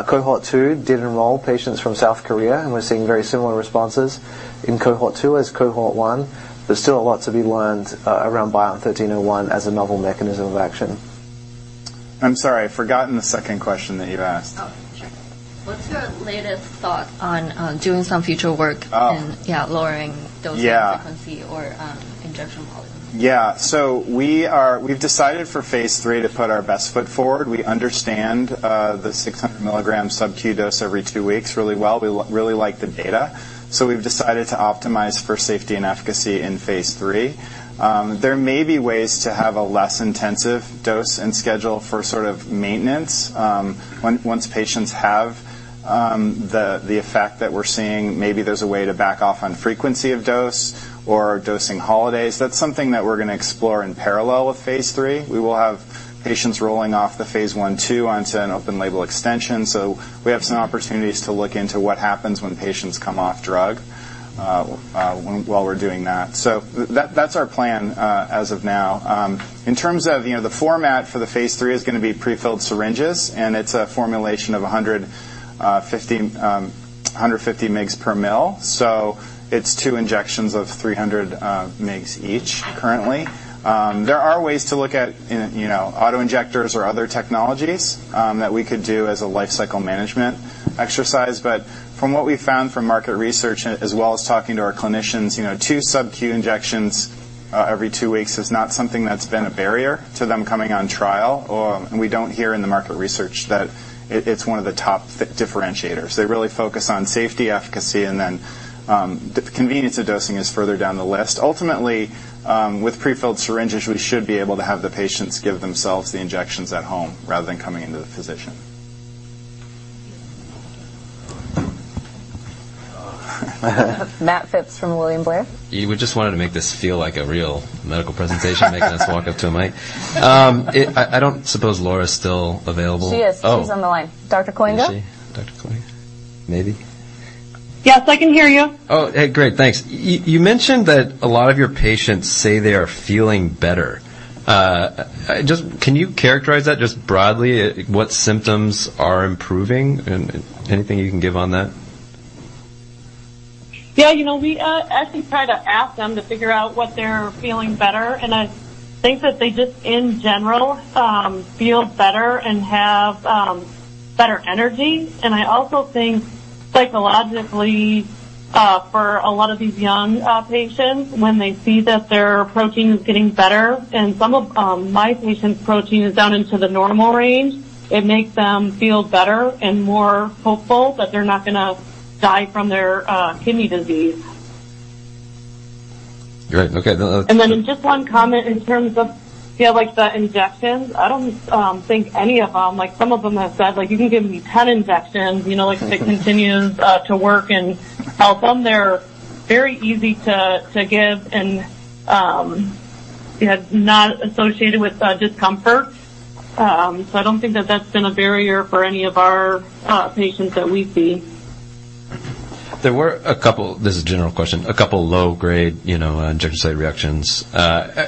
Cohort two did enroll patients from South Korea, and we're seeing very similar responses in cohort two as cohort one. There's still a lot to be learned around BION-1301 as a novel mechanism of action. I'm sorry, I've forgotten the second question that you asked. Oh, sure. What's your latest thought on doing some future work- Oh. Yeah, lowering dosing. Yeah. -frequency or, injection volume? Yeah. We've decided for phase III to put our best foot forward. We understand the 600 mg sub-Q dose every 2 weeks really well. We really like the data, so we've decided to optimize for safety and efficacy in phase III. There may be ways to have a less intensive dose and schedule for sort of maintenance, once patients have the effect that we're seeing, maybe there's a way to back off on frequency of dose or dosing holidays. That's something that we're gonna explore in parallel with phase III. We will have patients rolling off the phase I-II onto an open-label extension, so we have some opportunities to look into what happens when patients come off drug, while we're doing that. That's our plan as of now. In terms of, you know, the format for the phase III is gonna be prefilled syringes, and it's a formulation of 150 mg per mL. So it's two injections of 300 mg each currently. There are ways to look at, you know, auto-injectors or other technologies that we could do as a lifecycle management exercise. But from what we found from market research as well as talking to our clinicians, you know, two sub-Q injections every two weeks is not something that's been a barrier to them coming on trial. And we don't hear in the market research that it's one of the top differentiators. They really focus on safety, efficacy, and then the convenience of dosing is further down the list. Ultimately, with pre-filled syringes, we should be able to have the patients give themselves the injections at home rather than coming into the physician. Matt Phipps from William Blair. We just wanted to make this feel like a real medical presentation, making us walk up to a mic. I don't suppose Laura's still available. She is. Oh. She's on the line. Dr. Kooienga. Is she? Dr. Kooienga. Maybe. Yes, I can hear you. Oh, hey, great. Thanks. You mentioned that a lot of your patients say they are feeling better. Can you characterize that just broadly, what symptoms are improving? Anything you can give on that? Yeah. You know, we actually try to ask them to figure out what they're feeling better, and I think that they just in general feel better and have better energy. I also think psychologically for a lot of these young patients, when they see that their protein is getting better, and some of my patients' protein is down into the normal range, it makes them feel better and more hopeful that they're not gonna die from their kidney disease. Great. Okay. Just one comment in terms of, you know, like, the injections. I don't think any of them. Like, some of them have said, like, "You can give me 10 injections, you know, like, if it continues to work and help them." They're very easy to give and, you know, not associated with discomfort. So I don't think that that's been a barrier for any of our patients that we see. There were a couple, this is a general question, a couple of low grade, you know, injection site reactions.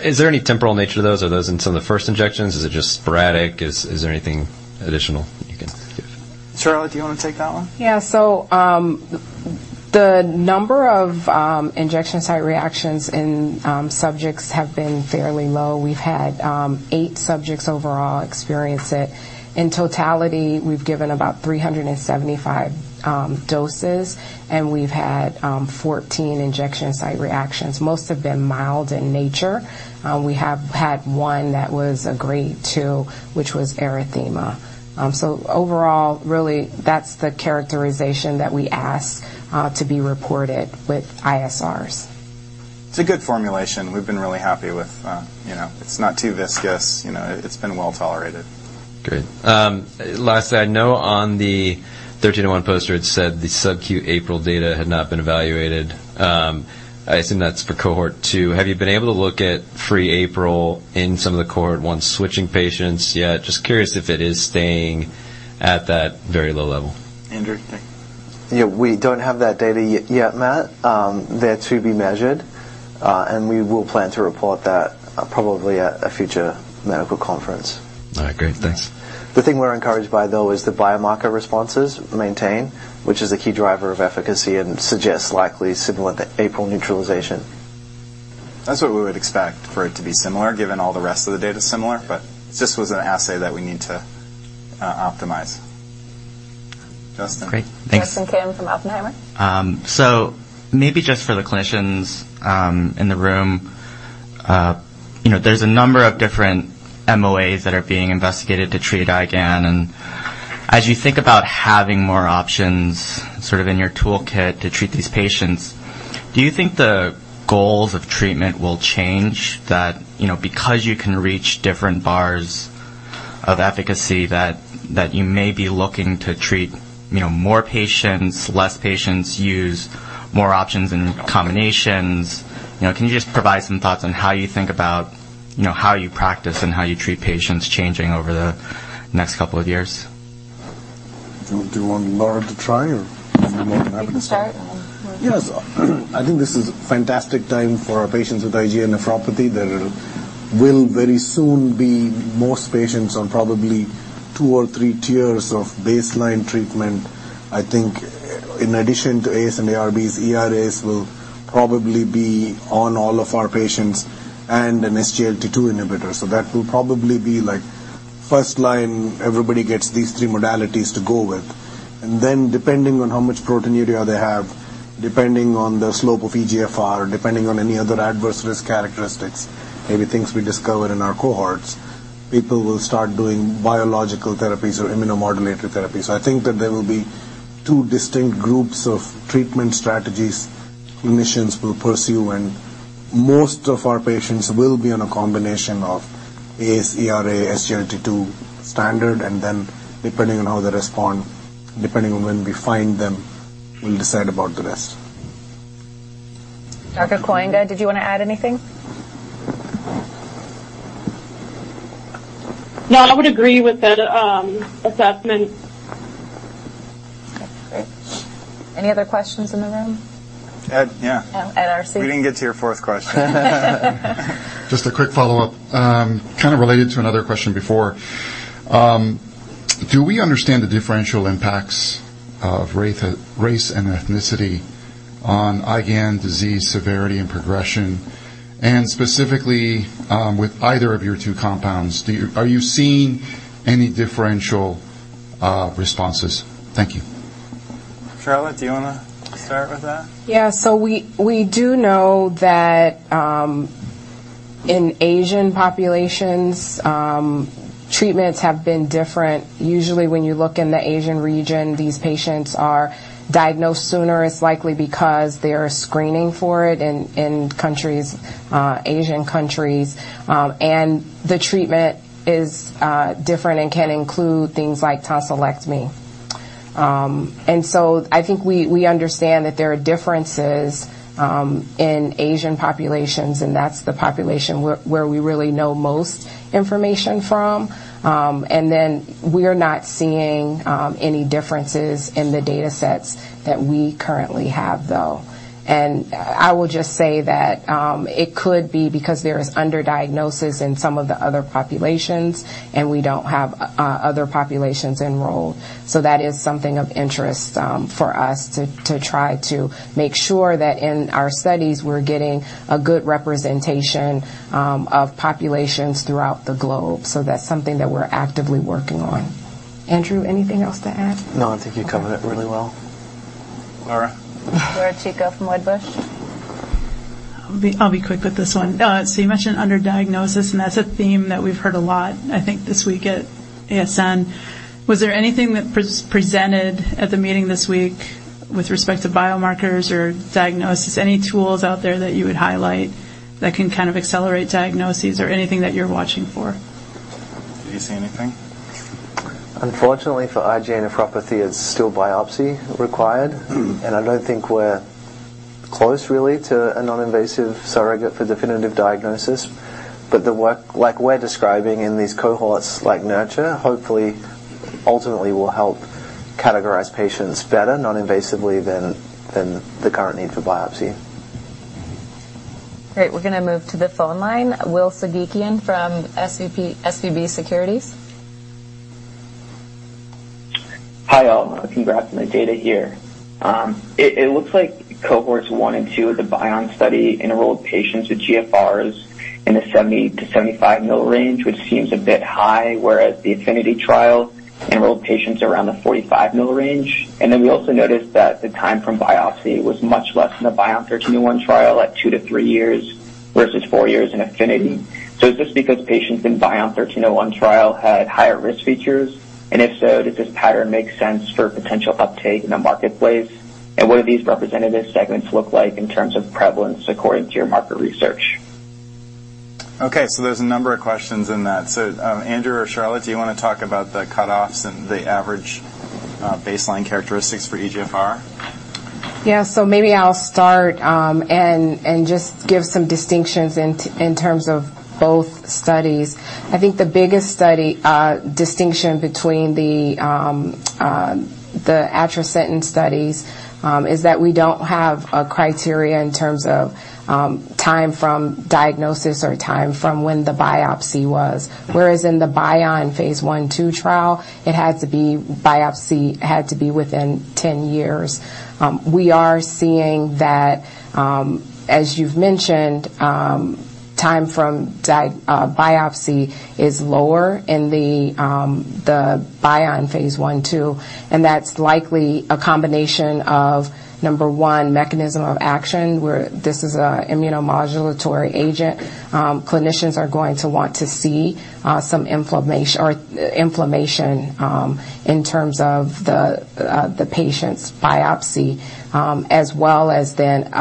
Is there any temporal nature to those? Are those in some of the first injections? Is it just sporadic? Is there anything additional you can give? Charlotte, do you wanna take that one? Yeah. The number of injection site reactions in subjects have been fairly low. We've had 8 subjects overall experience it. In totality, we've given about 375 doses, and we've had 14 injection site reactions. Most have been mild in nature. We have had one that was a grade two, which was erythema. Overall, really, that's the characterization that we ask to be reported with ISR. It's a good formulation. We've been really happy with you know. It's not too viscous. You know, it's been well-tolerated. Great. Lastly, I know on the BION-1301 poster, it said the sub-Q APRIL data had not been evaluated. I assume that's for cohort two. Have you been able to look at free APRIL in some of the cohort one switching patients yet? Just curious if it is staying at that very low level. Andrew, hey. Yeah. We don't have that data yet, Matt. They're to be measured. We will plan to report that, probably at a future medical conference. All right. Great. Thanks. The thing we're encouraged by, though, is the biomarker responses maintain, which is a key driver of efficacy and suggests likely similar to APRIL neutralization. That's what we would expect for it to be similar, given all the rest of the data's similar. But it's just was an assay that we need to, optimize. Justin. Great. Thanks. Justin Kim from Oppenheimer. Maybe just for the clinicians in the room. You know, there's a number of different MOA that are being investigated to treat IgAN. As you think about having more options sort of in your toolkit to treat these patients, do you think the goals of treatment will change that, you know, because you can reach different bars of efficacy that you may be looking to treat, you know, more patients, less patients, use more options and combinations. You know, can you just provide some thoughts on how you think about, you know, how you practice and how you treat patients changing over the next couple of years? Do you want Laura to try or you more than happy to? I can start and then. Yes. I think this is a fantastic time for our patients with IgA nephropathy. There will very soon be most patients on probably two or three tiers of baseline treatment. I think in addition to ACE and ARBs, ERAs will probably be on all of our patients and an SGLT2 inhibitor. That will probably be, like, first line, everybody gets these three modalities to go with. Depending on how much proteinuria they have, depending on the slope of eGFR, depending on any other adverse risk characteristics, maybe things we discover in our cohorts, people will start doing biological therapies or immunomodulatory therapies. I think that there will be two distinct groups of treatment strategies clinicians will pursue, and most of our patients will be on a combination of ACE, ERA, SGLT2 standard. Depending on how they respond, depending on when we find them, we'll decide about the rest. Dr. Kooienga, did you wanna add anything? No. I would agree with that, assessment. Okay, great. Any other questions in the room? Ed, yeah. Ed Arce. We didn't get to your fourth question. Just a quick follow-up. Kind of related to another question before. Do we understand the differential impacts of race and ethnicity on IgA disease severity and progression? Specifically, with either of your two compounds, do you, are you seeing any differential responses? Thank you. Charlotte, do you wanna start with that? Yeah. We do know that in Asian populations treatments have been different. Usually, when you look in the Asian region, these patients are diagnosed sooner. It's likely because they are screening for it in countries, Asian countries. The treatment is different and can include things like tonsillectomy. I think we understand that there are differences in Asian populations, and that's the population where we really know most information from. We're not seeing any differences in the datasets that we currently have, though. I will just say that it could be because there is underdiagnosis in some of the other populations, and we don't have other populations enrolled. That is something of interest, for us to try to make sure that in our studies, we're getting a good representation, of populations throughout the globe. That's something that we're actively working on. Andrew, anything else to add? No, I think you covered it really well. Laura. Laura Chico from Wedbush. I'll be quick with this one. You mentioned underdiagnosis, and that's a theme that we've heard a lot, I think, this week at ASN. Was there anything that presented at the meeting this week with respect to biomarkers or diagnosis? Any tools out there that you would highlight that can kind of accelerate diagnoses or anything that you're watching for? Do you see anything? Unfortunately for IgA nephropathy, it's still biopsy required. I don't think we're close really to a non-invasive surrogate for definitive diagnosis. The work like we're describing in these cohorts, like NURTuRE, hopefully ultimately will help categorize patients better non-invasively than the current need for biopsy. Great. We're gonna move to the phone line, Will Sargisian from SVB Securities. Hi, all. Congrats on the data here. It looks like cohorts 1 and 2 of the BION-1301 study enrolled patients with GFRs in the 70-75 ml range, which seems a bit high, whereas the AFFINITY trial enrolled patients around the 45 ml range. We also noticed that the time from biopsy was much less than the BION-1301 trial at 2-3 years versus four years in AFFINITY. Is this because patients in BION-1301 trial had higher risk features? If so, does this pattern make sense for potential uptake in the marketplace? What do these representative segments look like in terms of prevalence according to your market research? Okay, so there's a number of questions in that. Andrew or Charlotte, do you wanna talk about the cutoffs and the average baseline characteristics for eGFR? Yeah. Maybe I'll start and just give some distinctions in terms of both studies. I think the biggest study distinction between the Atrasentan studies is that we don't have a criteria in terms of time from diagnosis or time from when the biopsy was. Whereas in the BION-1301 phase I-II trial, the biopsy had to be within 10 years. We are seeing that, as you've mentioned, time from biopsy is lower in the BION-1301 phase I/2, and that's likely a combination of, number one, mechanism of action, where this is a immunomodulatory agent. Clinicians are going to want to see some inflammation or inflammation in terms of the patient's biopsy as well as then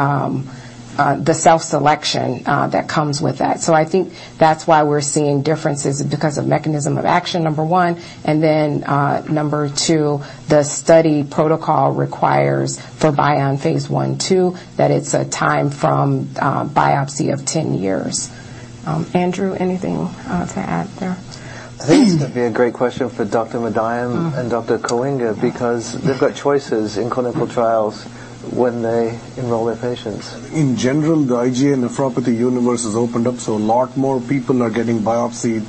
the self-selection that comes with that. I think that's why we're seeing differences because of mechanism of action, number one. Number two, the study protocol requires for BION-1301 that it's a time from biopsy of 10 years. Andrew, anything to add there? I think this could be a great question for Dr. Mandayam. Mm-hmm Dr. Kooienga because they've got choices in clinical trials when they enroll their patients. In general, the IgA nephropathy universe has opened up, so a lot more people are getting biopsied,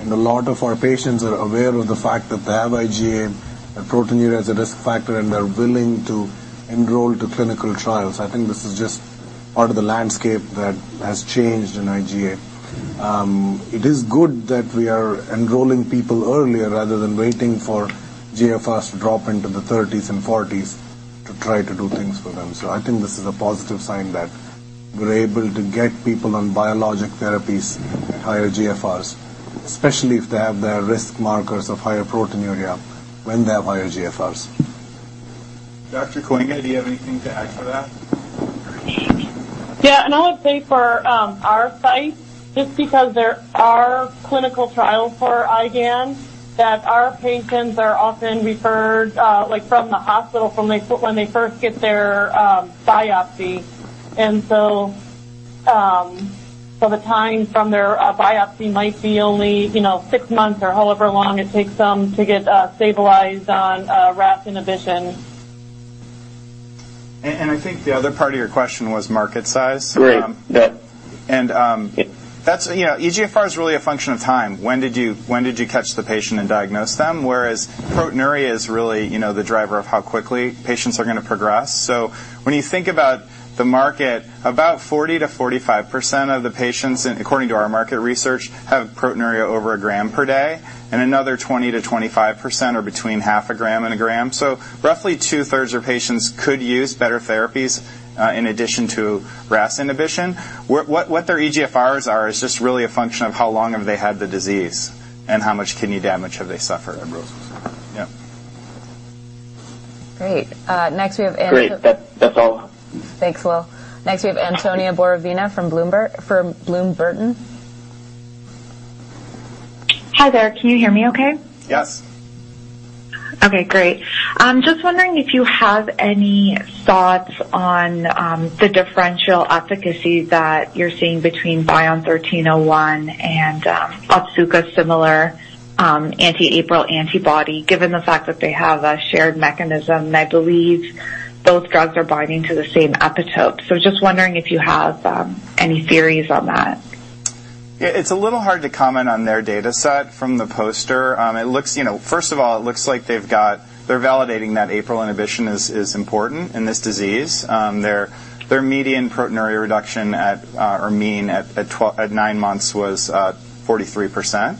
and a lot of our patients are aware of the fact that they have IgA, and proteinuria is a risk factor, and they're willing to enroll to clinical trials. I think this is just part of the landscape that has changed in IgA. It is good that we are enrolling people earlier rather than waiting for GFRs to drop into the 30s and 40s to try to do things for them. I think this is a positive sign that we're able to get people on biologic therapies at higher GFRs, especially if they have the risk markers of higher proteinuria when they have higher GFRs. Dr. Kooienga, do you have anything to add to that? I would say for our site, just because there are clinical trials for IgA, that our patients are often referred like from the hospital when they first get their biopsy. The time from their biopsy might be only, you know, six months or however long it takes them to get stabilized on RAS inhibition. I think the other part of your question was market size. Great. Yeah. That's you know, eGFR is really a function of time. When did you catch the patient and diagnose them? Whereas proteinuria is really, you know, the driver of how quickly patients are gonna progress. When you think about the market, about 40%-45% of the patients, and according to our market research, have proteinuria over a gram per day, and another 20%-25% are between half a gram and a gram. Roughly two-thirds of patients could use better therapies in addition to RAS inhibition. What their eGFRs are is just really a function of how long have they had the disease and how much kidney damage have they suffered. And Yeah. Great. Next we have Great. That's all. Thanks, Will. Next, we have Antonia Borovina from Bloom Burton. Hi there. Can you hear me okay? Yes. Okay, great. I'm just wondering if you have any thoughts on the differential efficacy that you're seeing between BION-1301 and Otsuka's similar anti-APRIL antibody, given the fact that they have a shared mechanism. I believe those drugs are binding to the same epitope. Just wondering if you have any theories on that. Yeah, it's a little hard to comment on their data set from the poster. You know, first of all, it looks like they're validating that APRIL inhibition is important in this disease. Their median proteinuria reduction at or mean at nine months was 43%.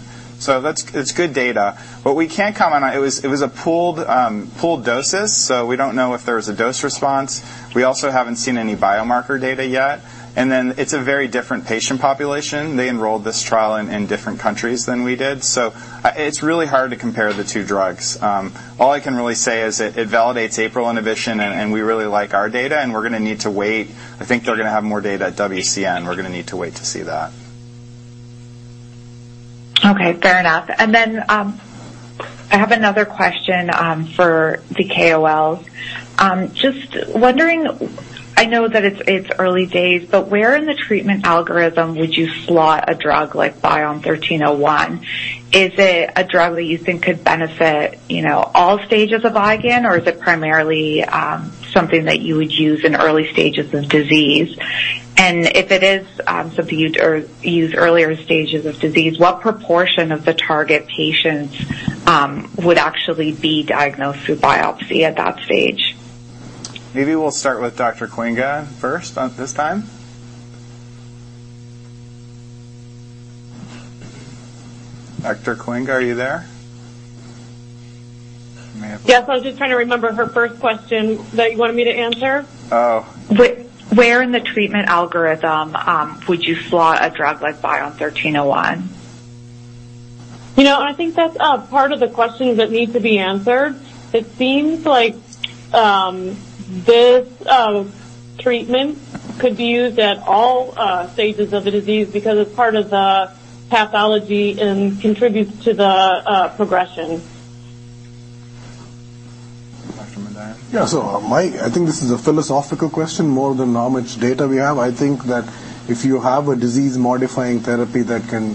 It's good data. What we can't comment on. It was a pooled doses, so we don't know if there was a dose response. We also haven't seen any biomarker data yet. It's a very different patient population. They enrolled this trial in different countries than we did. It's really hard to compare the two drugs. All I can really say is it validates APRIL inhibition and we really like our data, and we're gonna need to wait. I think they're gonna have more data at WCN. We're gonna need to wait to see that. Okay, fair enough. I have another question for the KOLs. Just wondering, I know that it's early days, but where in the treatment algorithm would you slot a drug like BION-1301? Is it a drug that you think could benefit, you know, all stages of IgAN, or is it primarily something that you would use in early stages of disease? If it is something you'd use earlier stages of disease, what proportion of the target patients would actually be diagnosed through biopsy at that stage? Maybe we'll start with Dr. Kooienga first, this time. Dr. Kooienga, are you there? Yes, I was just trying to remember her first question that you wanted me to answer. Oh. Where in the treatment algorithm, would you slot a drug like BION-1301? You know, I think that's part of the question that needs to be answered. It seems like this treatment could be used at all stages of the disease because it's part of the pathology and contributes to the progression. Dr. Mandayam. Yeah. I think this is a philosophical question more than how much data we have. I think that if you have a disease-modifying therapy that can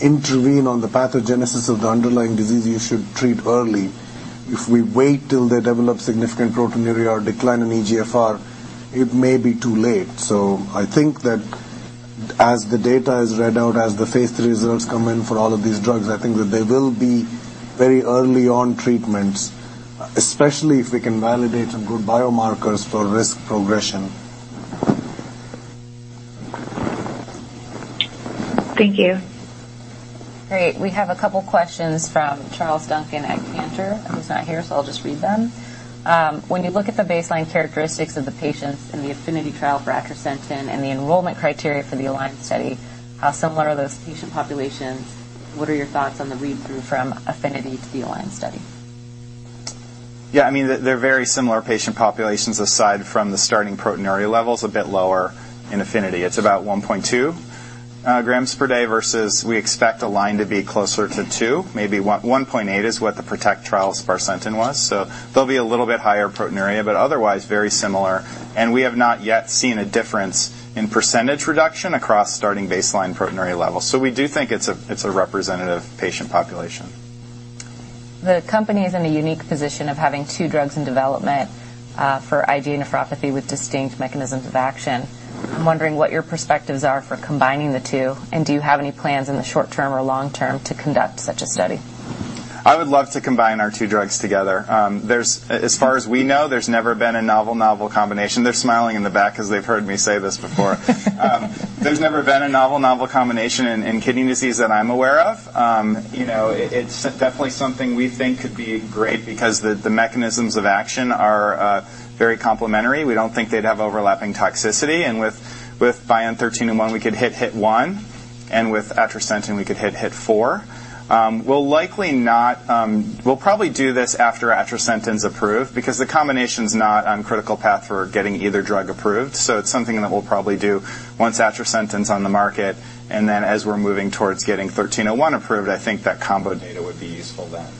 intervene on the pathogenesis of the underlying disease, you should treat early. If we wait till they develop significant proteinuria or decline in eGFR, it may be too late. I think that as the data is read out, as the phase III results come in for all of these drugs, I think that they will be very early on treatments, especially if we can validate some good biomarkers for risk progression. Thank you. Great. We have a couple questions from Charles Duncan at Cantor, who's not here, so I'll just read them. When you look at the baseline characteristics of the patients in the AFFINITY trial for atrasentan and the enrollment criteria for the ALIGN study, how similar are those patient populations? What are your thoughts on the read-through from AFFINITY to the ALIGN study? Yeah. I mean, they're very similar patient populations aside from the starting proteinuria levels, a bit lower in AFFINITY. It's about 1.2 grams per day versus we expect ALIGN to be closer to two. Maybe 1.8 is what the PROTECT trial's atrasentan was. They'll be a little bit higher proteinuria, but otherwise very similar. We have not yet seen a difference in percentage reduction across starting baseline proteinuria levels. We do think it's a representative patient population. The company is in a unique position of having two drugs in development, for IgA nephropathy with distinct mechanisms of action. I'm wondering what your perspectives are for combining the two, and do you have any plans in the short term or long term to conduct such a study? I would love to combine our two drugs together. As far as we know, there's never been a novel-novel combination. They're smiling in the back 'cause they've heard me say this before. There's never been a novel-novel combination in kidney disease that I'm aware of. You know, it's definitely something we think could be great because the mechanisms of action are very complementary. We don't think they'd have overlapping toxicity. With BION-1301, we could hit one, and with atrasentan, we could hit four. We'll probably do this after atrasentan's approved because the combination's not on critical path for getting either drug approved. It's something that we'll probably do once atrasentan's on the market, and then as we're moving towards getting BION-1301 approved, I think that combo data would be useful then.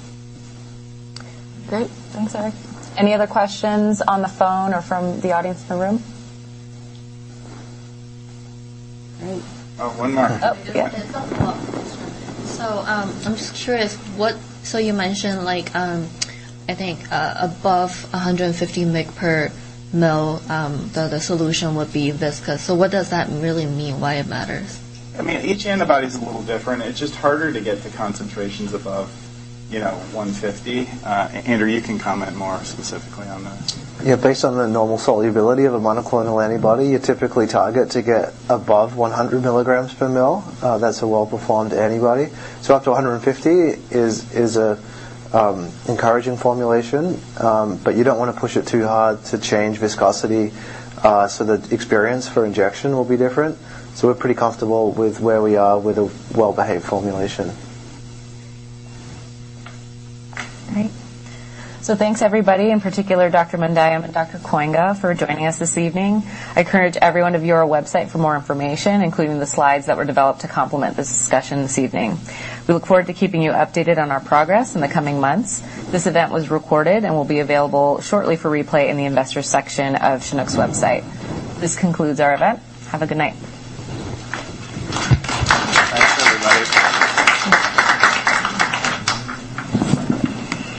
Great. Thanks, Eric. Any other questions on the phone or from the audience in the room? Great. Oh, one more. Oh. Yeah. I'm just curious. You mentioned, like, I think, above 150 mg per ml, the solution would be viscous. What does that really mean, why it matters? I mean, each antibody is a little different. It's just harder to get the concentrations above, you know, 150. Andrew, you can comment more specifically on that. Yeah. Based on the normal solubility of a monoclonal antibody, you typically target to get above 100 milligrams per ml. That's a well-performed antibody. Up to 150 is a encouraging formulation, but you don't wanna push it too hard to change viscosity, so the experience for injection will be different. We're pretty comfortable with where we are with a well-behaved formulation. All right. Thanks everybody, in particular Dr. Mandayam and Dr. Kooienga, for joining us this evening. I encourage everyone to view our website for more information, including the slides that were developed to complement this discussion this evening. We look forward to keeping you updated on our progress in the coming months. This event was recorded and will be available shortly for replay in the investors section of Chinook's website. This concludes our event. Have a good night. Thanks, everybody.